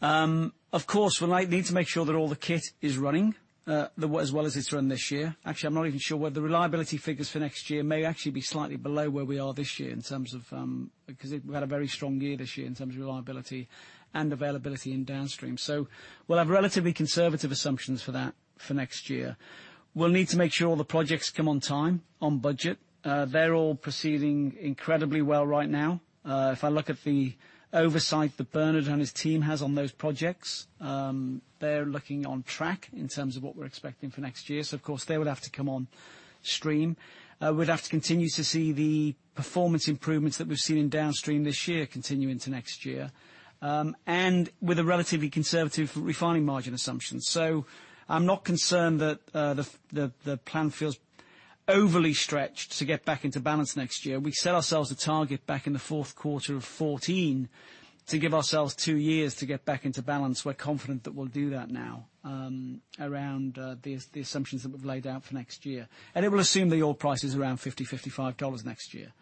of course, we'll need to make sure that all the kit is running as well as it's run this year. Actually, I'm not even sure whether the reliability figures for next year may actually be slightly below where we are this year because we had a very strong year this year in terms of reliability and availability in Downstream. We'll have relatively conservative assumptions for that for next year. We'll need to make sure all the projects come on time, on budget. They're all proceeding incredibly well right now. If I look at the oversight that Bernard and his team has on those projects, they're looking on track in terms of what we're expecting for next year. Of course, they would have to come on stream. We'd have to continue to see the performance improvements that we've seen in Downstream this year continue into next year, with a relatively conservative refining margin assumption. I'm not concerned that the plan feels overly stretched to get back into balance next year. We set ourselves a target back in the fourth quarter of 2014 to give ourselves two years to get back into balance. We're confident that we'll do that now around the assumptions that we've laid out for next year. It will assume the oil price is around $50-$55 next year.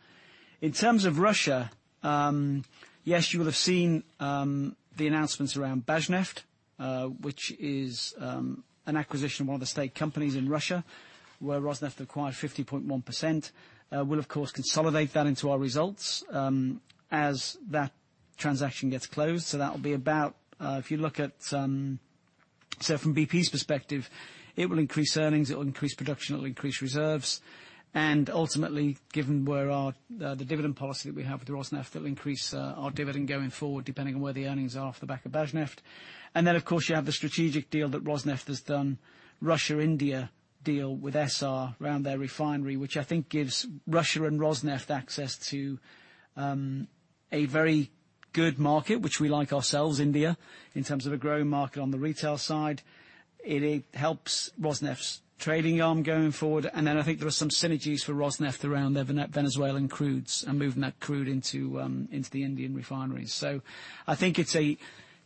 In terms of Russia, yes, you will have seen the announcements around Bashneft, which is an acquisition of one of the state companies in Russia, where Rosneft acquired 50.1%. We'll, of course, consolidate that into our results as that transaction gets closed. That will be about, if you look at from BP's perspective, it will increase earnings, it will increase production, it will increase reserves. Ultimately, given the dividend policy that we have with Rosneft, it will increase our dividend going forward, depending on where the earnings are off the back of Bashneft. Of course, you have the strategic deal that Rosneft has done, Russia-India deal with Essar around their refinery, which I think gives Russia and Rosneft access to a very good market, which we like ourselves, India, in terms of a growing market on the retail side. It helps Rosneft's trading arm going forward. I think there are some synergies for Rosneft around their Venezuelan crudes and moving that crude into the Indian refineries. I think it's a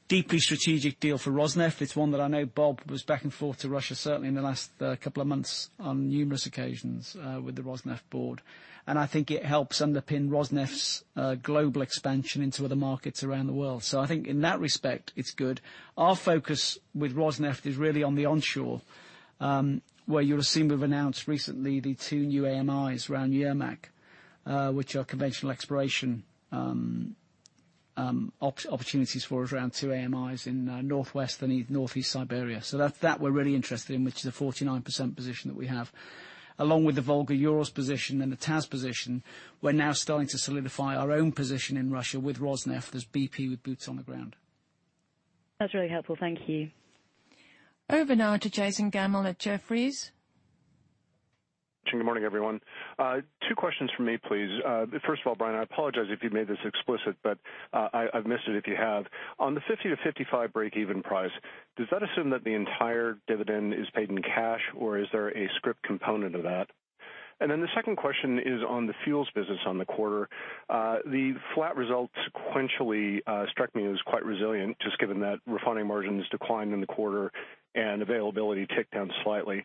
deeply strategic deal for Rosneft. It's one that I know Rob was back and forth to Russia, certainly in the last couple of months on numerous occasions with the Rosneft board. I think it helps underpin Rosneft's global expansion into other markets around the world. I think in that respect, it's good. Our focus with Rosneft is really on the onshore, where you'll have seen we've announced recently the two new AMIs around Yermak, which are conventional exploration opportunities for us around two AMIs in northwest and northeast Siberia. That we're really interested in, which is a 49% position that we have. Along with the Volga-Urals position and the Taz position, we're now starting to solidify our own position in Russia with Rosneft as BP with boots on the ground.
That's really helpful. Thank you.
Over now to Jason Gabelman at Jefferies.
Good morning, everyone. Two questions from me, please. First of all, Brian, I apologize if you made this explicit, but I've missed it if you have. On the 50-55 breakeven price, does that assume that the entire dividend is paid in cash, or is there a scrip component of that? The second question is on the fuels business on the quarter. The flat results sequentially struck me as quite resilient, just given that refining margins declined in the quarter and availability ticked down slightly.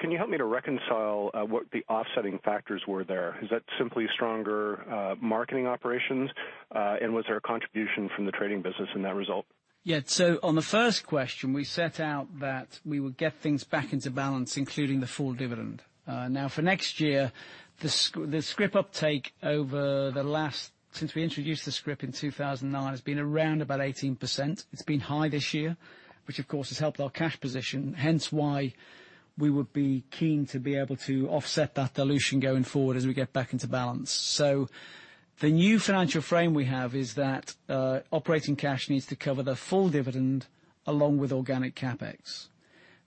Can you help me to reconcile what the offsetting factors were there? Is that simply stronger marketing operations? Was there a contribution from the trading business in that result?
Yeah. On the first question, we set out that we would get things back into balance, including the full dividend. For next year, the scrip uptake over the last, since we introduced the scrip in 2009, has been around about 18%. It's been high this year, which of course has helped our cash position, hence why we would be keen to be able to offset that dilution going forward as we get back into balance. The new financial frame we have is that operating cash needs to cover the full dividend along with organic CapEx.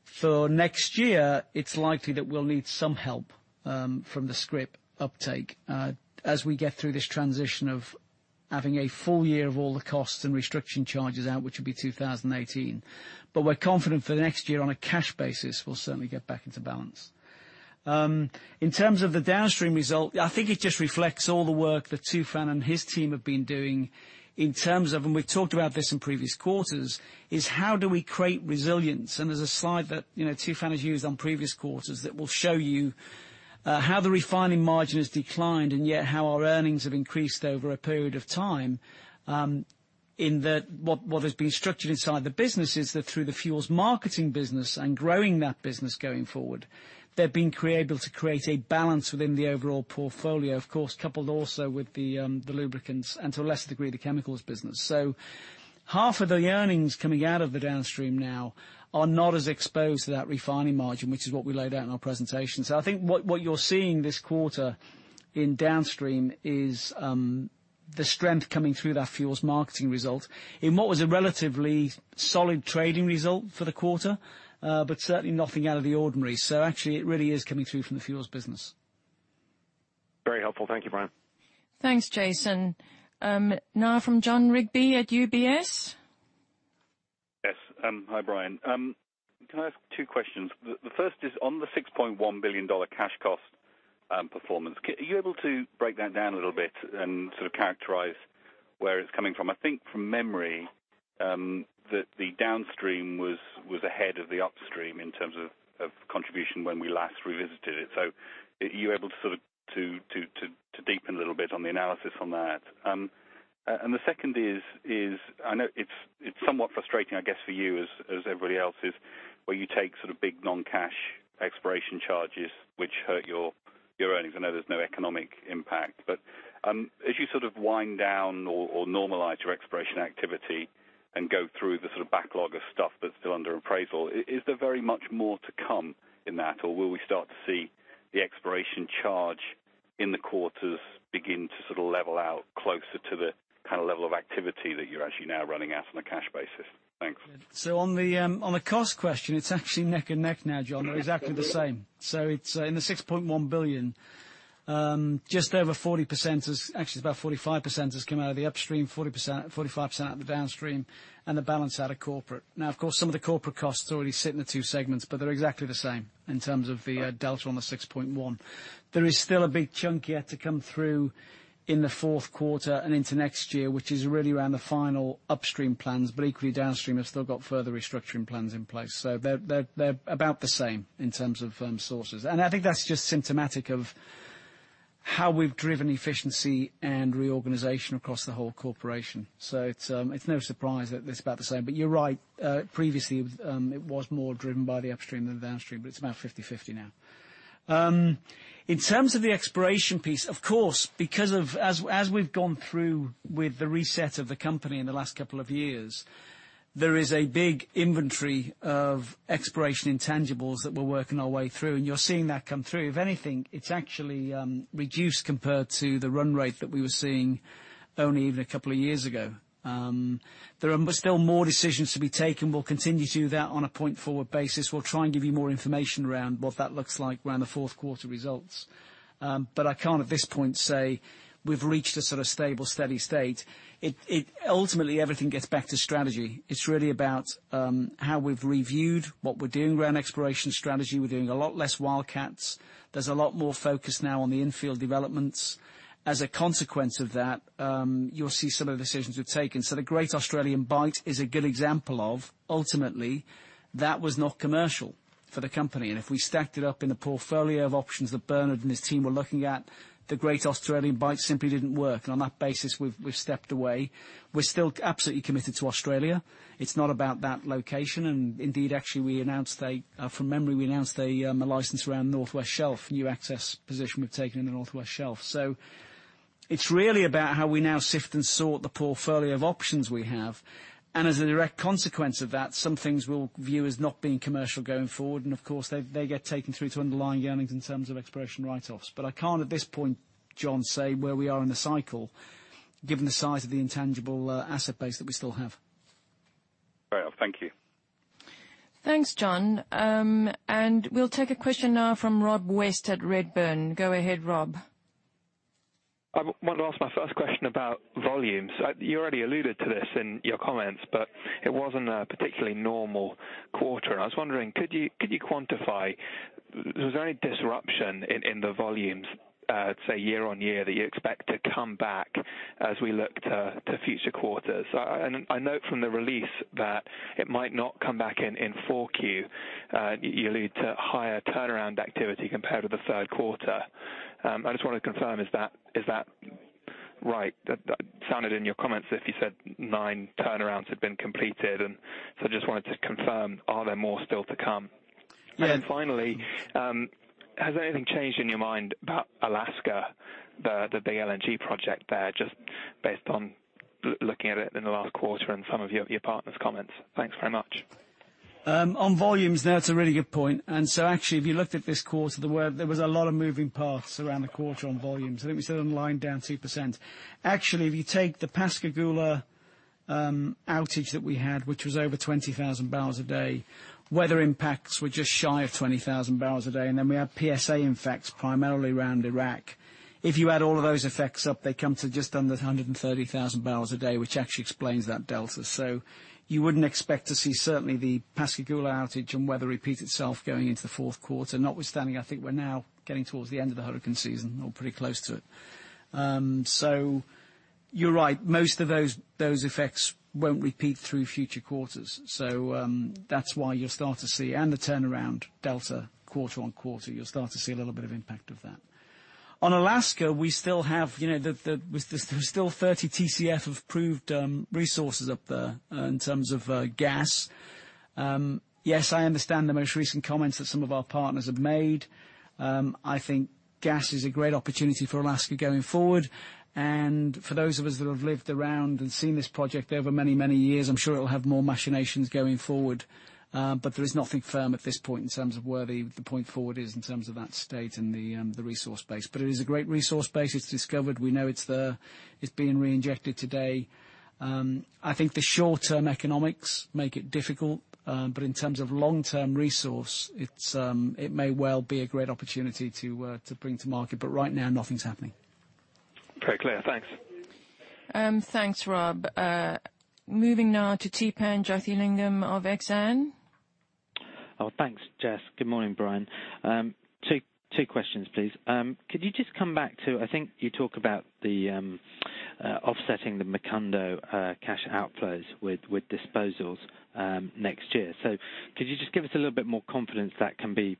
For next year, it's likely that we'll need some help from the scrip uptake as we get through this transition of having a full year of all the costs and restructuring charges out, which will be 2018. We're confident for the next year on a cash basis, we'll certainly get back into balance. In terms of the downstream result, I think it just reflects all the work that Tufan and his team have been doing in terms of, and we've talked about this in previous quarters, is how do we create resilience? There's a slide that Tufan has used on previous quarters that will show you how the refining margin has declined and yet how our earnings have increased over a period of time. In that what has been structured inside the business is that through the fuels marketing business and growing that business going forward, they've been able to create a balance within the overall portfolio. Of course, coupled also with the lubricants and to a lesser degree, the chemicals business. Half of the earnings coming out of the downstream now are not as exposed to that refining margin, which is what we laid out in our presentation. I think what you're seeing this quarter in downstream is the strength coming through that fuels marketing result in what was a relatively solid trading result for the quarter, but certainly nothing out of the ordinary. Actually it really is coming through from the fuels business.
Very helpful. Thank you, Brian.
Thanks, Jason. From Jon Rigby at UBS.
Yes. Hi, Brian. Can I ask two questions? The first is on the $6.1 billion cash cost performance. Are you able to break that down a little bit and characterize where it's coming from? I think from memory, the downstream was ahead of the upstream in terms of contribution when we last revisited it. Are you able to deepen a little bit on the analysis on that? The second is, I know it's somewhat frustrating, I guess, for you as everybody else is, where you take big non-cash exploration charges, which hurt your earnings. I know there's no economic impact. As you wind down or normalize your exploration activity and go through the backlog of stuff that's still under appraisal, is there very much more to come in that? Will we start to see the exploration charge in the quarters begin to level out closer to the kind of level of activity that you're actually now running at on a cash basis? Thanks.
On the cost question, it's actually neck and neck now, Jon. They're exactly the same. It's in the $6.1 billion, just over 40%, actually it's about 45%, has come out of the upstream, 45% out of the downstream, and the balance out of corporate. Now, of course, some of the corporate costs already sit in the two segments, but they're exactly the same in terms of the delta on the 6.1. There is still a big chunk yet to come through in the fourth quarter and into next year, which is really around the final upstream plans. Equally, downstream have still got further restructuring plans in place. They're about the same in terms of sources. I think that's just symptomatic of how we've driven efficiency and reorganization across the whole corporation. It's no surprise that it's about the same. You're right. Previously, it was more driven by the upstream than the downstream, but it's about 50-50 now. In terms of the exploration piece, of course, because as we've gone through with the reset of the company in the last couple of years, there is a big inventory of exploration intangibles that we're working our way through, and you're seeing that come through. If anything, it's actually reduced compared to the run rate that we were seeing only even a couple of years ago. There are still more decisions to be taken. We'll continue to do that on a point-forward basis. We'll try and give you more information around what that looks like around the fourth quarter results. I can't, at this point, say we've reached a sort of stable, steady state. Ultimately, everything gets back to strategy. It's really about how we've reviewed what we're doing around exploration strategy. We're doing a lot less wildcats. There's a lot more focus now on the infield developments. As a consequence of that, you'll see some of the decisions we've taken. The Great Australian Bight is a good example of, ultimately, that was not commercial for the company. If we stacked it up in the portfolio of options that Bernard and his team were looking at, the Great Australian Bight simply didn't work. On that basis, we've stepped away. We're still absolutely committed to Australia. It's not about that location. Indeed, actually, from memory, we announced a license around the North West Shelf, a new access position we've taken in the North West Shelf. It's really about how we now sift and sort the portfolio of options we have. As a direct consequence of that, some things we'll view as not being commercial going forward. Of course, they get taken through to underlying earnings in terms of exploration write-offs. I can't at this point, Jon, say where we are in the cycle given the size of the intangible asset base that we still have.
Right. Thank you.
Thanks, Jon. We'll take a question now from Rob West at Redburn. Go ahead, Rob.
I want to ask my first question about volumes. You already alluded to this in your comments, but it wasn't a particularly normal quarter. I was wondering, could you quantify, was there any disruption in the volumes, say year-on-year, that you expect to come back as we look to future quarters? I note from the release that it might not come back in 4Q. You allude to higher turnaround activity compared to the third quarter. I just want to confirm, is that right? That sounded in your comments, if you said nine turnarounds had been completed. I just wanted to confirm, are there more still to come?
Yes.
Finally, has anything changed in your mind about Alaska, the big LNG project there, just based on looking at it in the last quarter and some of your partners' comments? Thanks very much.
On volumes, that's a really good point. Actually, if you looked at this quarter, there was a lot of moving parts around the quarter on volumes. I think we said online, down 2%. Actually, if you take the Pascagoula outage that we had, which was over 20,000 barrels a day, weather impacts were just shy of 20,000 barrels a day. We had PSA impacts primarily around Iraq. If you add all of those effects up, they come to just under 130,000 barrels a day, which actually explains that delta. You wouldn't expect to see certainly the Pascagoula outage and weather repeat itself going into the fourth quarter. Notwithstanding, I think we're now getting towards the end of the hurricane season or pretty close to it. You're right, most of those effects won't repeat through future quarters. That's why you'll start to see, and the turnaround delta quarter-on-quarter, you'll start to see a little bit of impact of that. On Alaska, there was still 30 TCF of proved resources up there in terms of gas. I understand the most recent comments that some of our partners have made. I think gas is a great opportunity for Alaska going forward. For those of us that have lived around and seen this project over many, many years, I'm sure it will have more machinations going forward. There is nothing firm at this point in terms of where the point forward is in terms of that state and the resource base. It is a great resource base. It's discovered. We know it's there. It's being reinjected today. I think the short-term economics make it difficult. In terms of long-term resource, it may well be a great opportunity to bring to market. Right now, nothing's happening.
Very clear. Thanks.
Thanks, Rob. Moving now to Theepan Jothilingam of Exane.
Thanks, Jess. Good morning, Brian. Two questions, please. Could you just come back to, I think you talk about the offsetting the Macondo cash outflows with disposals next year. Could you just give us a little bit more confidence that can be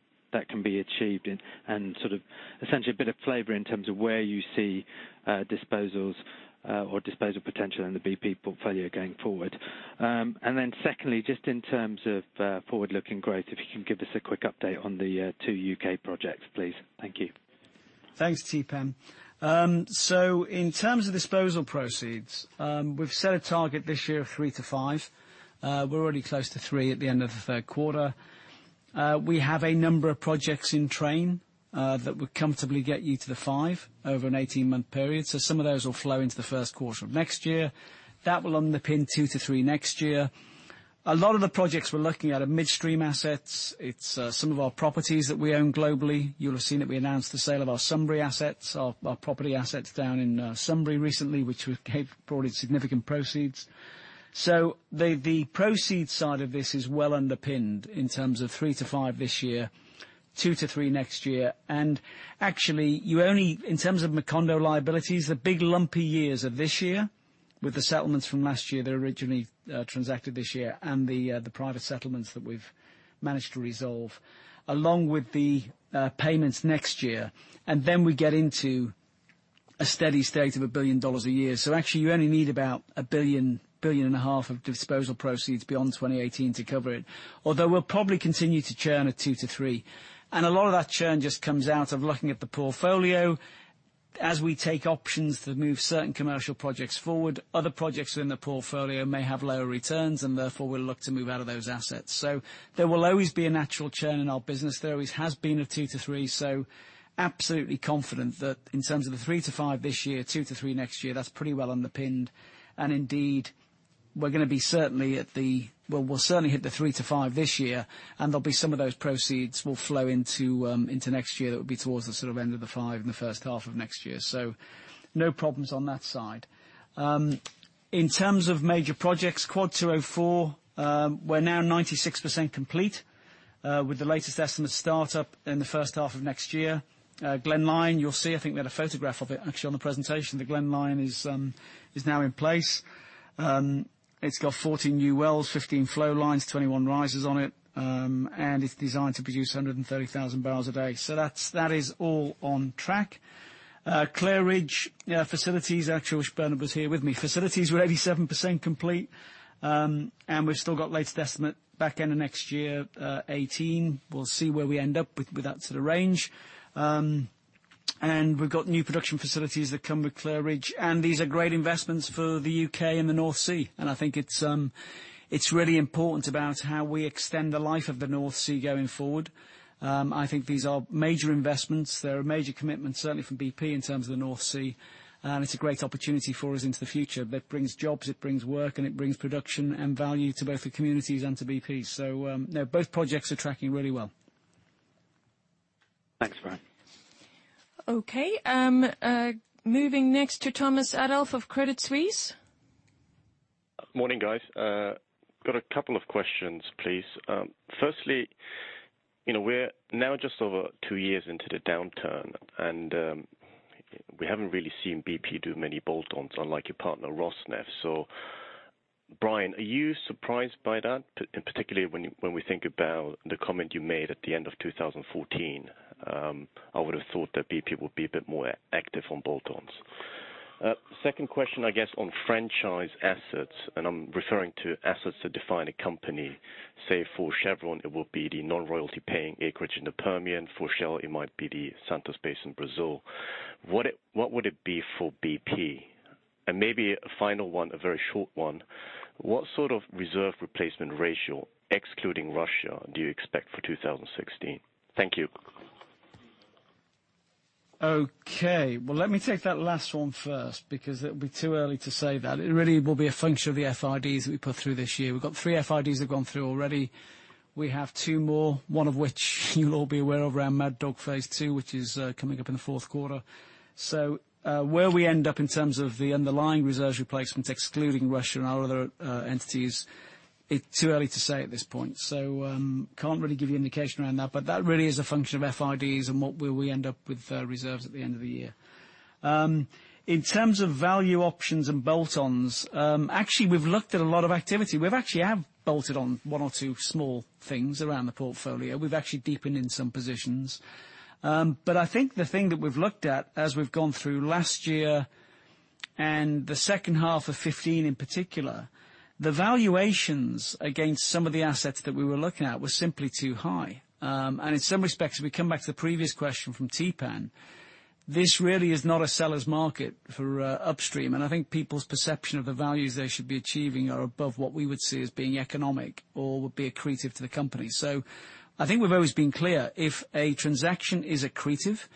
achieved and sort of essentially a bit of flavor in terms of where you see disposals or disposal potential in the BP portfolio going forward? Secondly, just in terms of forward-looking growth, if you can give us a quick update on the two U.K. projects, please. Thank you.
Thanks, Theepan. In terms of disposal proceeds, we've set a target this year of $3 billion-$5 billion. We're already close to $3 billion at the end of the third quarter. We have a number of projects in train that would comfortably get you to the $5 billion over an 18-month period. Some of those will flow into the first quarter of next year. That will underpin $2 billion-$3 billion next year. A lot of the projects we're looking at are midstream assets. It's some of our properties that we own globally. You'll have seen that we announced the sale of our Sunbury assets, our property assets down in Sunbury recently, which brought in significant proceeds. The proceeds side of this is well underpinned in terms of $3 billion-$5 billion this year, $2 billion-$3 billion next year. Actually, in terms of Macondo liabilities, the big lumpy years are this year with the settlements from last year that originally transacted this year and the private settlements that we've managed to resolve, along with the payments next year. Then we get into a steady state of $1 billion a year. Actually, you only need about $1 billion-$1.5 billion of disposal proceeds beyond 2018 to cover it. Although we'll probably continue to churn at $2 billion-$3 billion. A lot of that churn just comes out of looking at the portfolio. As we take options to move certain commercial projects forward, other projects within the portfolio may have lower returns, and therefore, we'll look to move out of those assets. There will always be a natural churn in our business. There always has been a $2 billion-$3 billion. Absolutely confident that in terms of the $3 billion-$5 billion this year, $2 billion-$3 billion next year, that's pretty well underpinned. Indeed, we're going to be certainly at the Well, we'll certainly hit the $3 billion-$5 billion this year, and there'll be some of those proceeds will flow into next year. That would be towards the sort of end of the $5 billion in the first half of next year. No problems on that side. In terms of major projects, Quad 204, we're now 96% complete, with the latest estimate start-up in the first half of next year. Glen Lyon, you'll see, I think we had a photograph of it, actually, on the presentation. The Glen Lyon is now in place. It's got 14 new wells, 15 flow lines, 21 risers on it, and it's designed to produce 130,000 barrels a day. That is all on track. Clair Ridge facilities, actually I wish Bernard was here with me. Facilities were 87% complete. We've still got latest estimate back end of next year, 2018. We'll see where we end up with that sort of range. We've got new production facilities that come with Clair Ridge, and these are great investments for the U.K. and the North Sea. I think it's really important about how we extend the life of the North Sea going forward. I think these are major investments. They're a major commitment, certainly from BP in terms of the North Sea, and it's a great opportunity for us into the future, that brings jobs, it brings work, and it brings production and value to both the communities and to BP. No, both projects are tracking really well.
Thanks, Brian.
Okay. Moving next to Thomas Adolff of Credit Suisse.
Morning, guys. Got a couple of questions, please. Firstly, we're now just over two years into the downturn. We haven't really seen BP do many bolt-ons unlike your partner, Rosneft. Brian, are you surprised by that? Particularly when we think about the comment you made at the end of 2014, I would've thought that BP would be a bit more active on bolt-ons. Second question, I guess, on franchise assets, and I'm referring to assets that define a company. Say for Chevron, it would be the non-royalty paying acreage in the Permian. For Shell, it might be the Santos Basin, Brazil. What would it be for BP? Maybe a final one, a very short one. What sort of reserve replacement ratio, excluding Russia, do you expect for 2016? Thank you.
Okay. Well, let me take that last one first, because it would be too early to say that. It really will be a function of the FIDs that we put through this year. We've got three FIDs that have gone through already. We have two more, one of which you'll all be aware of around Mad Dog Phase 2, which is coming up in the fourth quarter. Where we end up in terms of the underlying reserves replacement, excluding Russia and our other entities, it's too early to say at this point. Can't really give you indication around that, but that really is a function of FIDs and what will we end up with reserves at the end of the year. In terms of value options and bolt-ons, actually, we've looked at a lot of activity. We've actually have bolted on one or two small things around the portfolio. We've actually deepened in some positions. I think the thing that we've looked at as we've gone through last year and the second half of 2015 in particular, the valuations against some of the assets that we were looking at were simply too high. In some respects, we come back to the previous question from Theepan, this really is not a seller's market for upstream. I think people's perception of the values they should be achieving are above what we would see as being economic or would be accretive to the company. I think we've always been clear. If a transaction is accretive,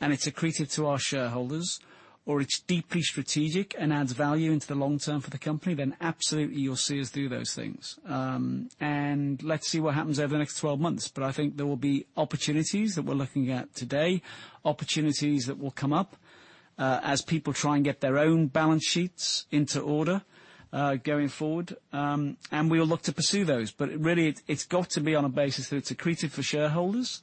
and it's accretive to our shareholders, or it's deeply strategic and adds value into the long term for the company, then absolutely you'll see us do those things. Let's see what happens over the next 12 months. I think there will be opportunities that we're looking at today, opportunities that will come up, as people try and get their own balance sheets into order going forward. We'll look to pursue those. Really, it's got to be on a basis that it's accretive for shareholders,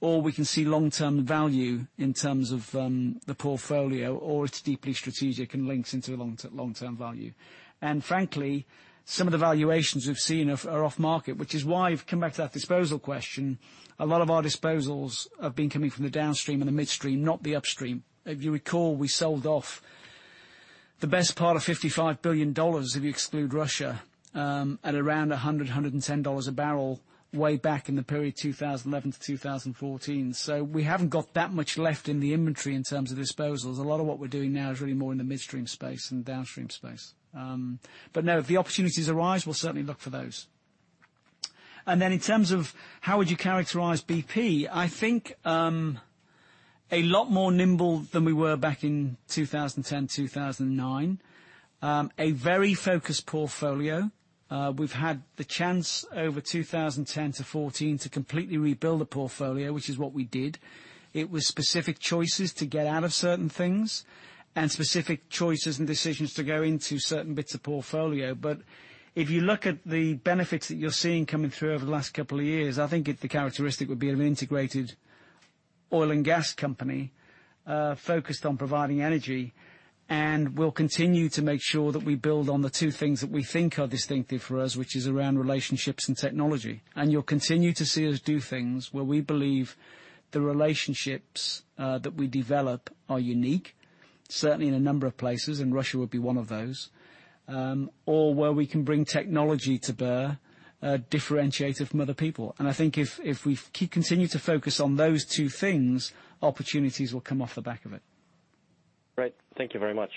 or we can see long-term value in terms of the portfolio, or it's deeply strategic and links into long-term value. Frankly, some of the valuations we've seen are off market, which is why if we come back to that disposal question, a lot of our disposals have been coming from the downstream and the midstream, not the upstream. If you recall, we sold off the best part of GBP 55 billion, if you exclude Russia, at around $100, $110 a barrel way back in the period 2011 to 2014. We haven't got that much left in the inventory in terms of disposals. A lot of what we're doing now is really more in the midstream space than the downstream space. No, if the opportunities arise, we'll certainly look for those. Then in terms of how would you characterize BP, I think a lot more nimble than we were back in 2010, 2009. A very focused portfolio. We've had the chance over 2010 to 2014 to completely rebuild the portfolio, which is what we did. It was specific choices to get out of certain things and specific choices and decisions to go into certain bits of portfolio. If you look at the benefits that you're seeing coming through over the last couple of years, I think the characteristic would be an integrated oil and gas company focused on providing energy. We will continue to make sure that we build on the two things that we think are distinctive for us, which is around relationships and technology. You will continue to see us do things where we believe the relationships that we develop are unique certainly in a number of places, and Russia would be one of those. Where we can bring technology to bear, differentiate it from other people. I think if we continue to focus on those two things, opportunities will come off the back of it.
Right. Thank you very much.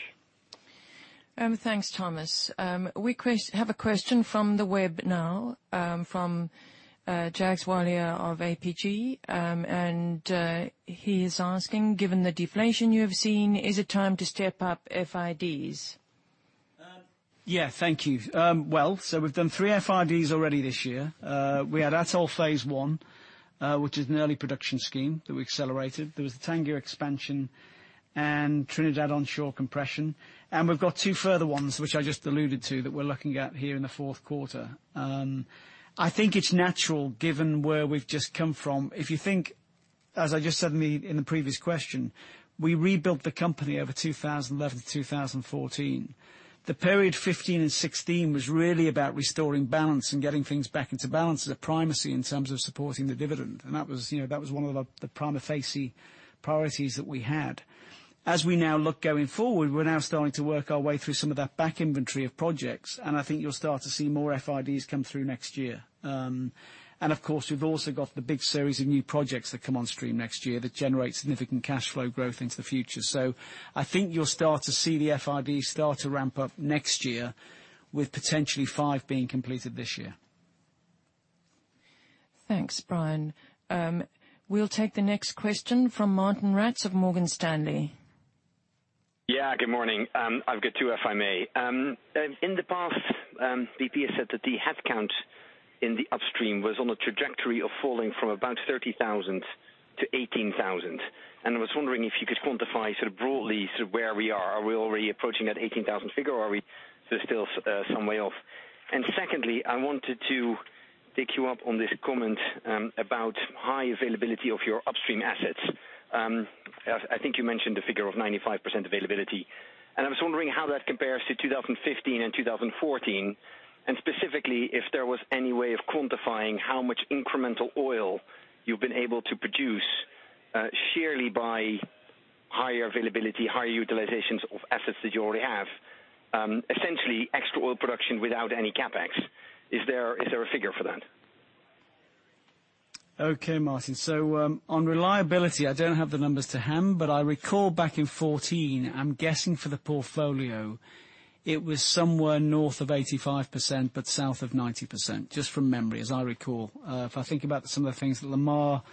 Thanks, Thomas. We have a question from the web now, from Jack Swalia of APG. He is asking, given the deflation you have seen, is it time to step up FIDs?
Yeah. Thank you. We have done 3 FIDs already this year. We had Atoll Phase One, which is an early production scheme that we accelerated. There was the Tangguh expansion and Trinidad Onshore Compression. We have got 2 further ones, which I just alluded to, that we are looking at here in the fourth quarter. I think it is natural, given where we have just come from. If you think, as I just said in the previous question, we rebuilt the company over 2011-2014. The period 2015 and 2016 was really about restoring balance and getting things back into balance as a primacy in terms of supporting the dividend. That was one of the prima facie priorities that we had. As we now look going forward, we're now starting to work our way through some of that back inventory of projects, I think you'll start to see more FIDs come through next year. Of course, we've also got the big series of new projects that come on stream next year that generate significant cash flow growth into the future. I think you'll start to see the FID start to ramp up next year, with potentially five being completed this year.
Thanks, Brian. We'll take the next question from Martijn Rats of Morgan Stanley.
Yeah, good morning. I've got two, if I may. In the past, BP has said that the headcount in the upstream was on a trajectory of falling from about 30,000 to 18,000. I was wondering if you could quantify sort of broadly sort of where we are. Are we already approaching that 18,000 figure or are we still some way off? Secondly, I wanted to pick you up on this comment about high availability of your upstream assets. I think you mentioned a figure of 95% availability. I was wondering how that compares to 2015 and 2014, and specifically, if there was any way of quantifying how much incremental oil you've been able to produce sheerly by higher availability, higher utilizations of assets that you already have. Essentially, extra oil production without any CapEx. Is there a figure for that?
Okay, Martijn. On reliability, I don't have the numbers to hand, but I recall back in 2014, I'm guessing for the portfolio, it was somewhere north of 85% but south of 90%. Just from memory, as I recall. If I think about some of the things that Lamar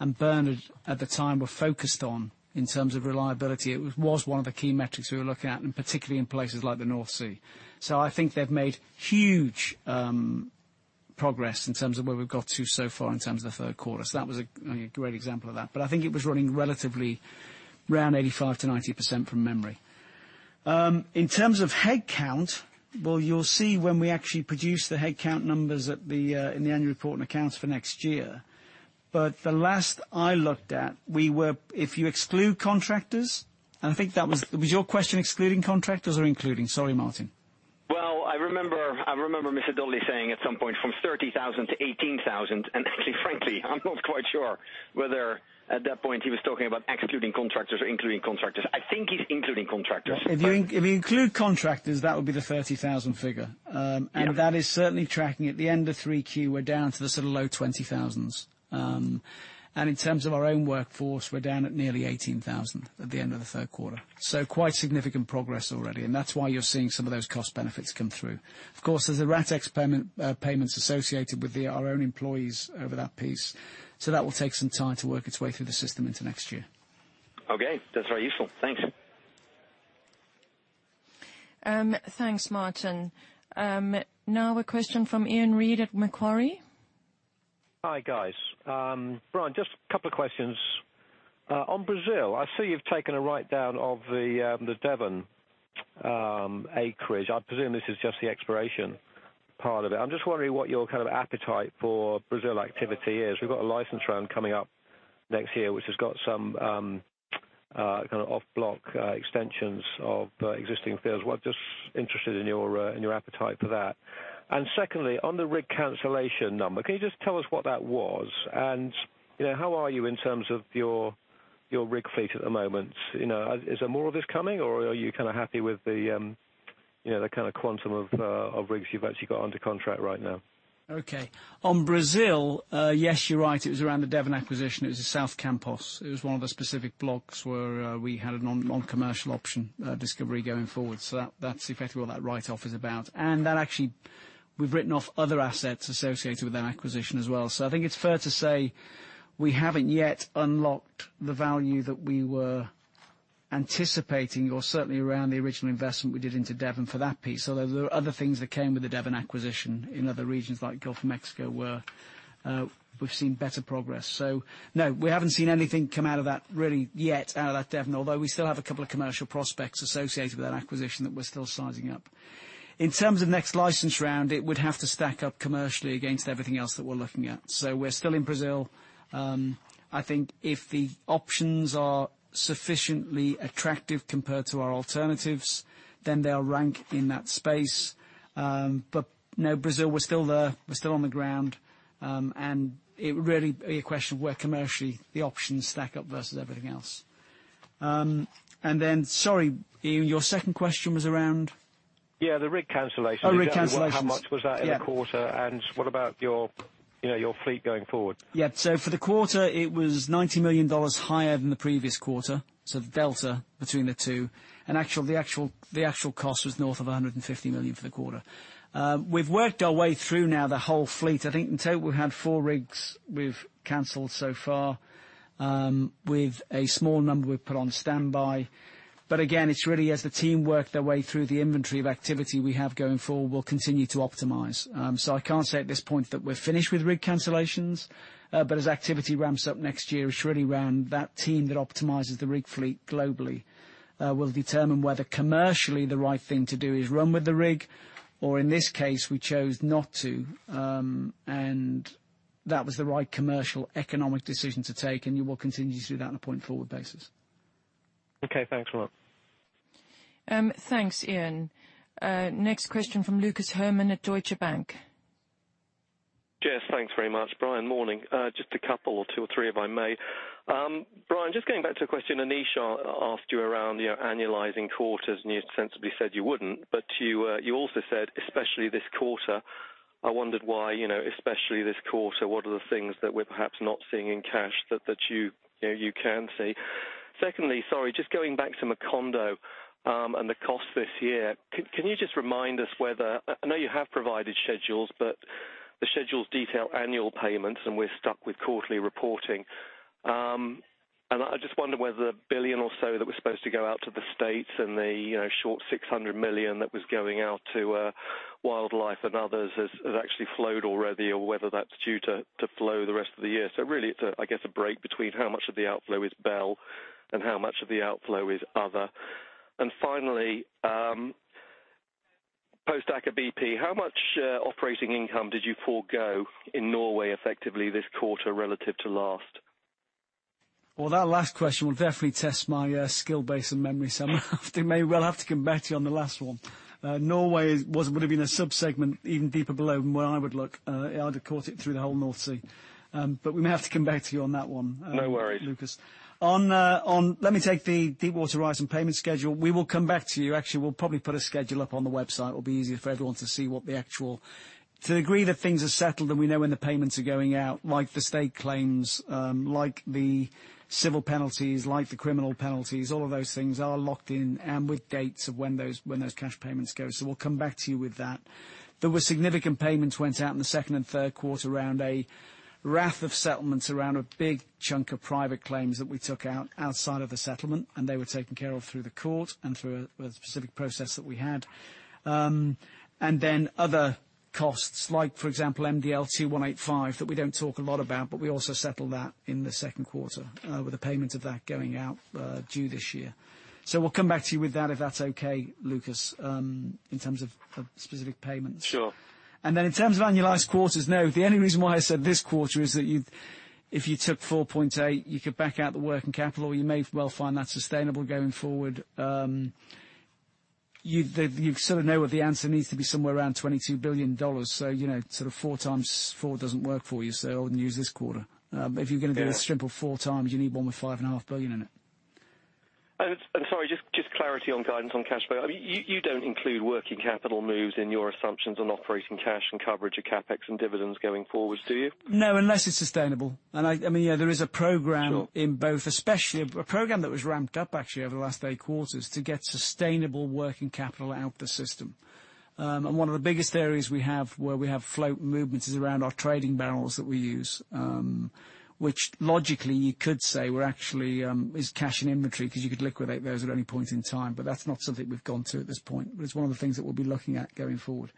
and Bernard at the time were focused on in terms of reliability, it was one of the key metrics we were looking at, and particularly in places like the North Sea. I think they've made huge progress in terms of where we've got to so far in terms of the third quarter. That was a great example of that. I think it was running relatively around 85%-90%, from memory. In terms of headcount, well you'll see when we actually produce the headcount numbers in the annual report and accounts for next year. The last I looked at, if you exclude contractors. I think that was your question, excluding contractors or including? Sorry, Martijn.
Well, I remember Mr. Dudley saying at some point from 30,000 to 18,000. Actually frankly, I am not quite sure whether at that point he was talking about excluding contractors or including contractors. I think he is including contractors.
If you include contractors, that would be the 30,000 figure.
Yeah.
That is certainly tracking at the end of Q3, we are down to the sort of low 20,000s. In terms of our own workforce, we are down at nearly 18,000 at the end of the third quarter. Quite significant progress already, and that is why you are seeing some of those cost benefits come through. Of course, there is the rate payments associated with our own employees over that piece. That will take some time to work its way through the system into next year.
Okay. That's very useful. Thanks.
Thanks, Martijn. A question from Iain Reid at Macquarie.
Hi, guys. Brian, just a couple of questions. On Brazil, I see you've taken a write-down of the Devon acreage. I presume this is just the exploration part of it. I'm just wondering what your kind of appetite for Brazil activity is. We've got a license round coming up next year, which has got some kind of off-block extensions of existing fields. Just interested in your appetite for that. Secondly, on the rig cancellation number, can you just tell us what that was? How are you in terms of your rig fleet at the moment? Is there more of this coming, or are you kind of happy with the kind of quantum of rigs you've actually got under contract right now?
Okay. On Brazil, yes, you're right. It was around the Devon acquisition. It was the South Campos. It was one of the specific blocks where we had a non-commercial option discovery going forward. That's effectively what that write-off is about. That actually, we've written off other assets associated with that acquisition as well. I think it's fair to say we haven't yet unlocked the value that we were anticipating, or certainly around the original investment we did into Devon for that piece, although there are other things that came with the Devon acquisition in other regions like Gulf of Mexico, where we've seen better progress. No, we haven't seen anything come out of that really yet, out of that Devon, although we still have a couple of commercial prospects associated with that acquisition that we're still sizing up. In terms of next license round, it would have to stack up commercially against everything else that we're looking at. We're still in Brazil. I think if the options are sufficiently attractive compared to our alternatives, then they'll rank in that space. No, Brazil, we're still there. We're still on the ground. It would really be a question of where commercially the options stack up versus everything else. Then sorry, Iain, your second question was around?
Yeah, the rig cancellation.
Oh, rig cancellations.
How much was that in the quarter? What about your fleet going forward?
Yeah. For the quarter, it was GBP 90 million higher than the previous quarter, so the delta between the two. The actual cost was north of 150 million for the quarter. We've worked our way through now the whole fleet. I think in total, we've had four rigs we've canceled so far, with a small number we've put on standby. Again, it's really as the team work their way through the inventory of activity we have going forward, we'll continue to optimize. I can't say at this point that we're finished with rig cancellations. As activity ramps up next year, it's really around that team that optimizes the rig fleet globally will determine whether commercially the right thing to do is run with the rig or in this case, we chose not to. That was the right commercial, economic decision to take, and we'll continue to do that on a point-forward basis.
Okay, thanks a lot.
Thanks, Iain. Next question from Lucas Herrmann at Deutsche Bank.
Yes, thanks very much. Brian, morning. Just a couple or two or three, if I may. Brian, just going back to a question Anish asked you around annualizing quarters, and you sensibly said you wouldn't. You also said, "Especially this quarter." I wondered why, especially this quarter. What are the things that we're perhaps not seeing in cash that you can see? Secondly, sorry, just going back to Macondo, and the cost this year. Can you just remind us whether I know you have provided schedules, but the schedules detail annual payments, and we're stuck with quarterly reporting. I just wonder whether the 1 billion or so that was supposed to go out to the U.S. and the short 600 million that was going out to Wildlife and others has actually flowed already, or whether that's due to flow the rest of the year. Really it's, I guess, a break between how much of the outflow is Bell and how much of the outflow is other. Finally, post Aker BP, how much operating income did you forgo in Norway effectively this quarter relative to last?
Well, that last question will definitely test my skill base and memory, so I may well have to come back to you on the last one. Norway would've been a sub-segment even deeper below than where I would look. I'd have caught it through the whole North Sea. We may have to come back to you on that one-
No worry
Lucas. Let me take the Deepwater Horizon payment schedule. We will come back to you. Actually, we'll probably put a schedule up on the website. It'll be easier for everyone to see what the actual To the degree that things are settled, and we know when the payments are going out, like the state claims, like the civil penalties, like the criminal penalties, all of those things are locked in and with dates of when those cash payments go. We'll come back to you with that. There were significant payments went out in the second and third quarter around a raft of settlements around a big chunk of private claims that we took outside of the settlement, and they were taken care of through the court and through a specific process that we had. Other costs, like, for example, MDL 2185, that we don't talk a lot about, but we also settled that in the second quarter with the payment of that going out due this year. We'll come back to you with that if that's okay, Lucas, in terms of specific payments.
Sure.
In terms of annualized quarters, no. The only reason why I said this quarter is that if you took 4.8, you could back out the working capital. You may well find that sustainable going forward. You sort of know what the answer needs to be somewhere around GBP 22 billion. Sort of four times four doesn't work for you, so I wouldn't use this quarter. If you're going to do the sum of four times, you need one with 5.5 billion in it.
Sorry, just clarity on guidance on cash flow. You don't include working capital moves in your assumptions on operating cash and coverage of CapEx and dividends going forwards, do you?
No, unless it's sustainable. There is a program.
Sure
in both, especially a program that was ramped up actually over the last eight quarters to get sustainable working capital out the system. One of the biggest areas we have where we have float movements is around our trading barrels that we use. Which logically you could say is cash and inventory because you could liquidate those at any point in time. That's not something we've gone to at this point. It's one of the things that we'll be looking at going forward.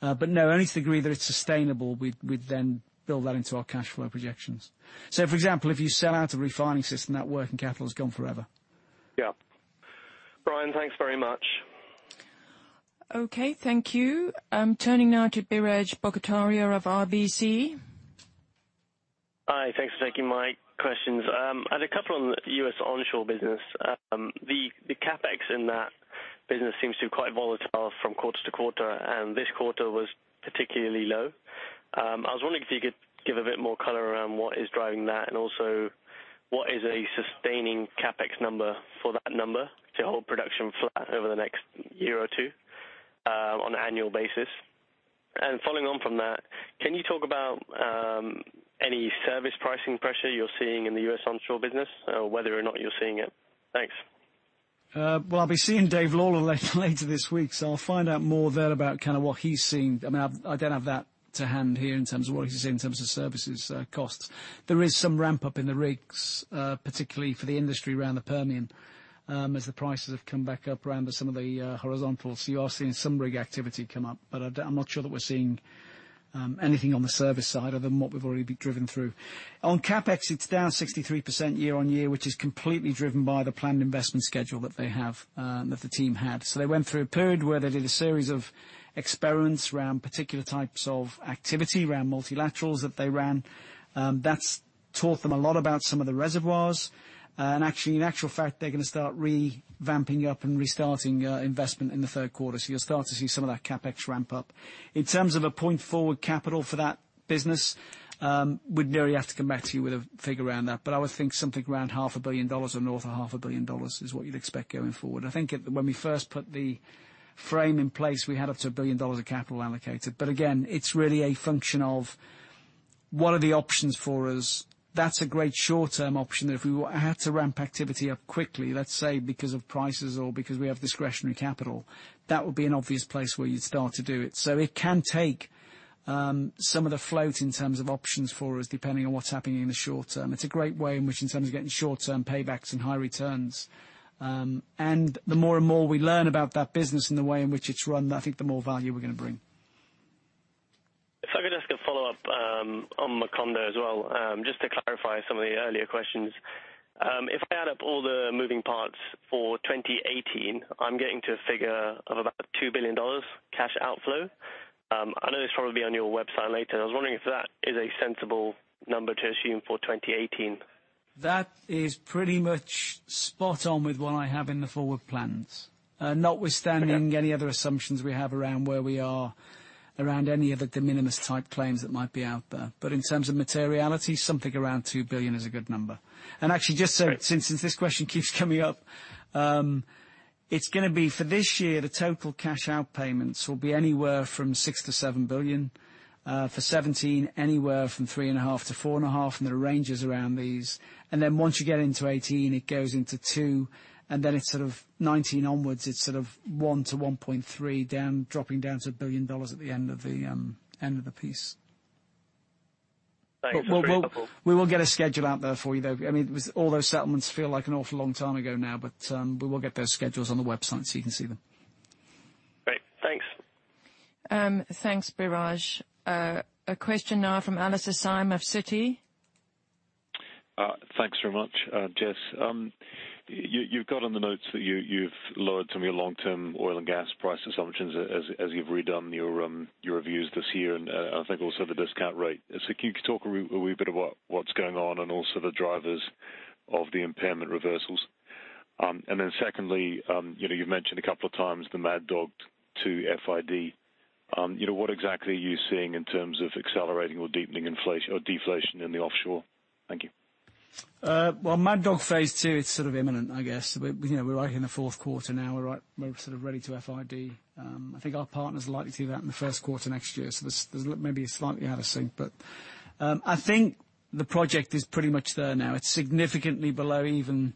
No, only to the degree that it's sustainable, we'd then build that into our cash flow projections. For example, if you sell out a refining system, that working capital is gone forever.
Yeah. Brian, thanks very much.
Okay, thank you. Turning now to Biraj Borkhataria of RBC.
Hi. Thanks for taking my questions. I had a couple on the U.S. onshore business. The CapEx in that business seems to be quite volatile from quarter to quarter, and this quarter was particularly low. I was wondering if you could give a bit more color around what is driving that, and also what is a sustaining CapEx number for that number to hold production flat over the next year or two on an annual basis? Following on from that, can you talk about any service pricing pressure you're seeing in the U.S. onshore business, or whether or not you're seeing it? Thanks.
Well, I'll be seeing Dave Lawler later this week, so I'll find out more there about what he's seeing. I don't have that to hand here in terms of what he's seeing in terms of services costs. There is some ramp-up in the rigs, particularly for the industry around the Permian, as the prices have come back up around some of the horizontals. You are seeing some rig activity come up. I'm not sure that we're seeing anything on the service side other than what we've already driven through. On CapEx, it's down 63% year-over-year, which is completely driven by the planned investment schedule that the team had. They went through a period where they did a series of experiments around particular types of activity, around multilaterals that they ran. That's taught them a lot about some of the reservoirs. Actually, in actual fact, they're going to start revamping up and restarting investment in the third quarter. You'll start to see some of that CapEx ramp up. In terms of a point-forward capital for that business, we'd really have to come back to you with a figure around that. I would think something around half a billion dollars or north of half a billion dollars is what you'd expect going forward. I think when we first put the frame in place, we had up to $1 billion of capital allocated. Again, it's really a function of What are the options for us? That's a great short-term option that if we had to ramp activity up quickly, let's say because of prices or because we have discretionary capital, that would be an obvious place where you'd start to do it. It can take some of the float in terms of options for us, depending on what's happening in the short term. It's a great way in which, in terms of getting short-term paybacks and high returns. The more and more we learn about that business and the way in which it's run, I think the more value we're going to bring.
If I could ask a follow-up on Macondo as well, just to clarify some of the earlier questions. If I add up all the moving parts for 2018, I'm getting to a figure of about GBP 2 billion cash outflow. I know this will probably be on your website later. I was wondering if that is a sensible number to assume for 2018.
That is pretty much spot on with what I have in the forward plans.
Okay.
Notwithstanding any other assumptions we have around where we are, around any other de minimis type claims that might be out there. In terms of materiality, something around 2 billion is a good number. Actually,
Great
since this question keeps coming up. It's going to be, for this year, the total cash out payments will be anywhere from 6 billion to 7 billion. For 2017, anywhere from three and a half to four and a half, there are ranges around these. Once you get into 2018, it goes into 2, then it's sort of 2019 onwards, it's sort of GBP one to 1.3 down, dropping down to GBP 1 billion at the end of the piece.
Thanks. That's very helpful.
We will get a schedule out there for you, though. All those settlements feel like an awful long time ago now. We will get those schedules on the website so you can see them.
Great. Thanks.
Thanks, Biraj. A question now from Alastair Syme of Citi.
Thanks very much, Jess. You've got on the notes that you've lowered some of your long-term oil and gas price assumptions as you've redone your reviews this year, and I think also the discount rate. Can you talk a wee bit about what's going on and also the drivers of the impairment reversals? Secondly, you've mentioned a couple of times the Mad Dog Phase 2 FID. What exactly are you seeing in terms of accelerating or deepening deflation in the offshore? Thank you.
Well, Mad Dog Phase 2, it's sort of imminent, I guess. We're right in the fourth quarter now. We're sort of ready to FID. I think our partner's likely to do that in the first quarter next year, so this may be slightly out of sync. I think the project is pretty much there now. It's certainly below the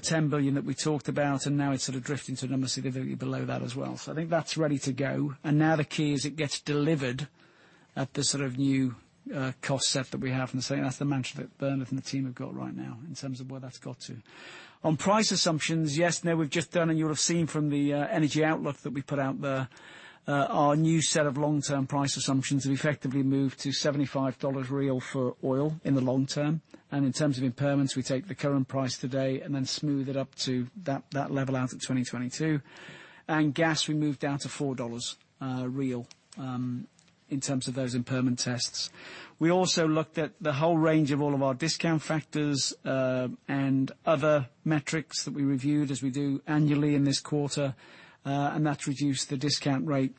$10 billion that we talked about, and now it's sort of drifting to a number significantly below that as well. I think that's ready to go. The key is it gets delivered at the new cost set that we have, and that's the mantra that Bernard and the team have got right now in terms of where that's got to. On price assumptions, yes, now we've just done, and you'll have seen from the energy outlook that we put out there, our new set of long-term price assumptions have effectively moved to $75 real for oil in the long term. In terms of impairments, we take the current price today and then smooth it up to that level out at 2022. Gas, we moved down to $4 real in terms of those impairment tests. We also looked at the whole range of all of our discount factors and other metrics that we reviewed as we do annually in this quarter, and that's reduced the discount rate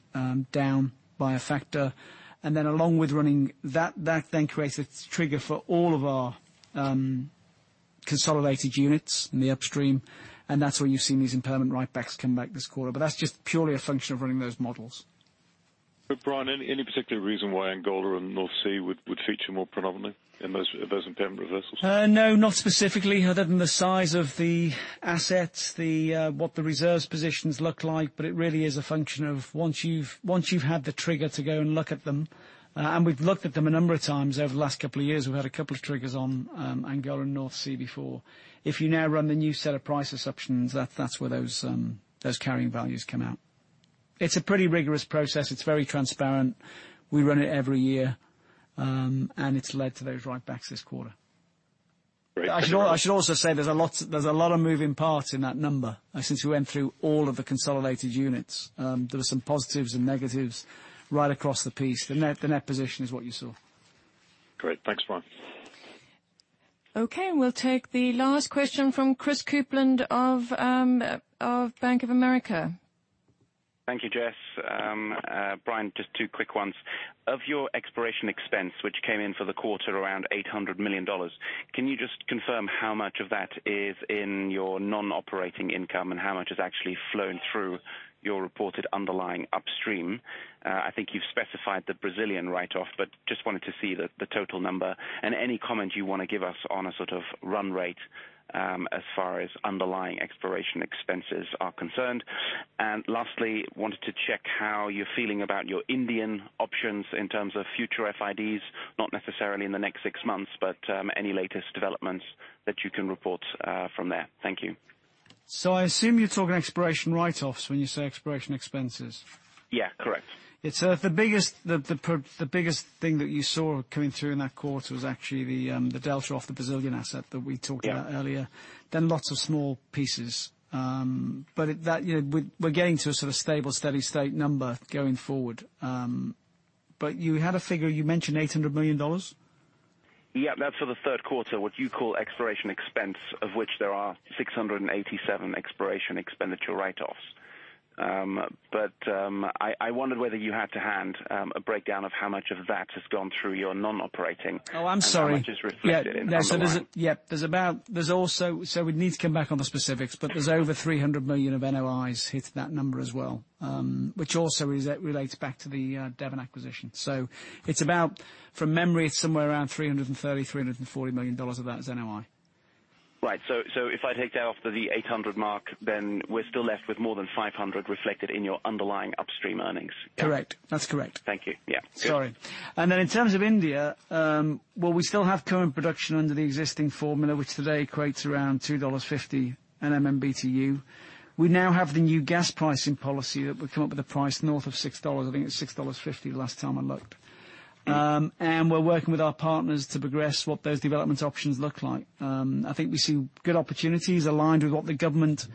down by a factor. Along with running that then creates a trigger for all of our consolidated units in the upstream, and that's where you've seen these impairment write-backs come back this quarter. That's just purely a function of running those models.
Brian, any particular reason why Angola and North Sea would feature more prominently in those impairment reversals?
No, not specifically other than the size of the assets, what the reserves positions look like. It really is a function of once you've had the trigger to go and look at them, and we've looked at them a number of times over the last couple of years. We've had a couple of triggers on Angola and North Sea before. If you now run the new set of price assumptions, that's where those carrying values come out. It's a pretty rigorous process. It's very transparent. We run it every year. It's led to those write-backs this quarter.
Great.
I should also say there's a lot of moving parts in that number since we went through all of the consolidated units. There were some positives and negatives right across the piece. The net position is what you saw.
Great. Thanks, Brian.
Okay, we'll take the last question from Chris Kuplent of Bank of America.
Thank you, Jess. Brian, just two quick ones. Of your exploration expense, which came in for the quarter around GBP 800 million, can you just confirm how much of that is in your non-operating income and how much has actually flown through your reported underlying upstream? I think you've specified the Brazilian write-off, but just wanted to see the total number, and any comment you want to give us on a sort of run rate as far as underlying exploration expenses are concerned. Lastly, wanted to check how you're feeling about your Indian options in terms of future FIDs, not necessarily in the next six months, but any latest developments that you can report from there. Thank you.
I assume you're talking exploration write-offs when you say exploration expenses.
Yeah, correct.
The biggest thing that you saw coming through in that quarter was actually the delta off the Brazilian asset that we talked about earlier.
Yeah.
Lots of small pieces. We're getting to a sort of stable, steady state number going forward. You had a figure, you mentioned $800 million?
Yeah, that's for the third quarter, what you call exploration expense, of which there are 687 exploration expenditure write-offs. I wondered whether you had to hand a breakdown of how much of that has gone through your non-operating-
I'm sorry
how much is reflected in NOI.
Yeah. We'd need to come back on the specifics, there's over $300 million of NOIs hit that number as well. Which also relates back to the Devon acquisition. It's about, from memory, it's somewhere around $330, $340 million of that is NOI.
Right. If I take that off the $800 mark, we're still left with more than $500 reflected in your underlying upstream earnings.
Correct. That's correct.
Thank you. Yeah.
Sorry. In terms of India, well, we still have current production under the existing formula, which today equates around $2.50 an MMBtu. We now have the new gas pricing policy that we've come up with a price north of $6, I think it's $6.50 the last time I looked. We're working with our partners to progress what those development options look like. I think we see good opportunities aligned with what the government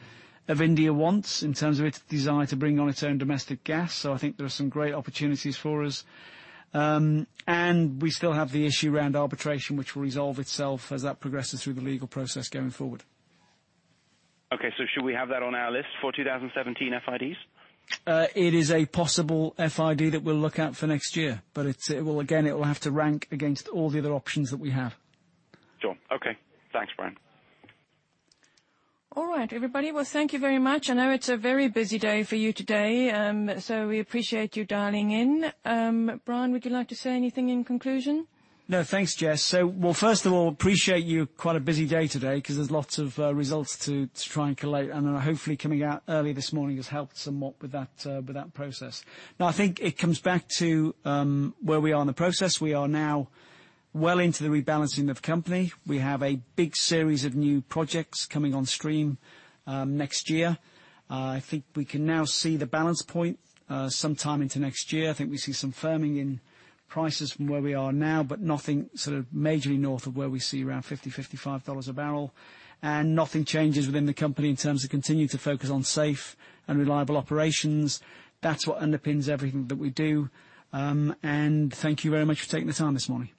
of India wants in terms of its desire to bring on its own domestic gas. I think there are some great opportunities for us. We still have the issue around arbitration, which will resolve itself as that progresses through the legal process going forward.
Okay, should we have that on our list for 2017 FIDs?
It is a possible FID that we'll look at for next year, again, it will have to rank against all the other options that we have.
Sure. Okay. Thanks, Brian.
All right, everybody. Well, thank you very much. I know it's a very busy day for you today, so we appreciate you dialing in. Brian, would you like to say anything in conclusion?
No, thanks, Jess. Well, first of all, appreciate you, quite a busy day today because there's lots of results to try and collate. Hopefully coming out early this morning has helped somewhat with that process. I think it comes back to where we are in the process. We are now well into the rebalancing of company. We have a big series of new projects coming on stream next year. I think we can now see the balance point sometime into next year. I think we see some firming in prices from where we are now, but nothing sort of majorly north of where we see around $50-$55 a barrel. Nothing changes within the company in terms of continue to focus on safe and reliable operations. That's what underpins everything that we do. And thank you very much for taking the time this morning.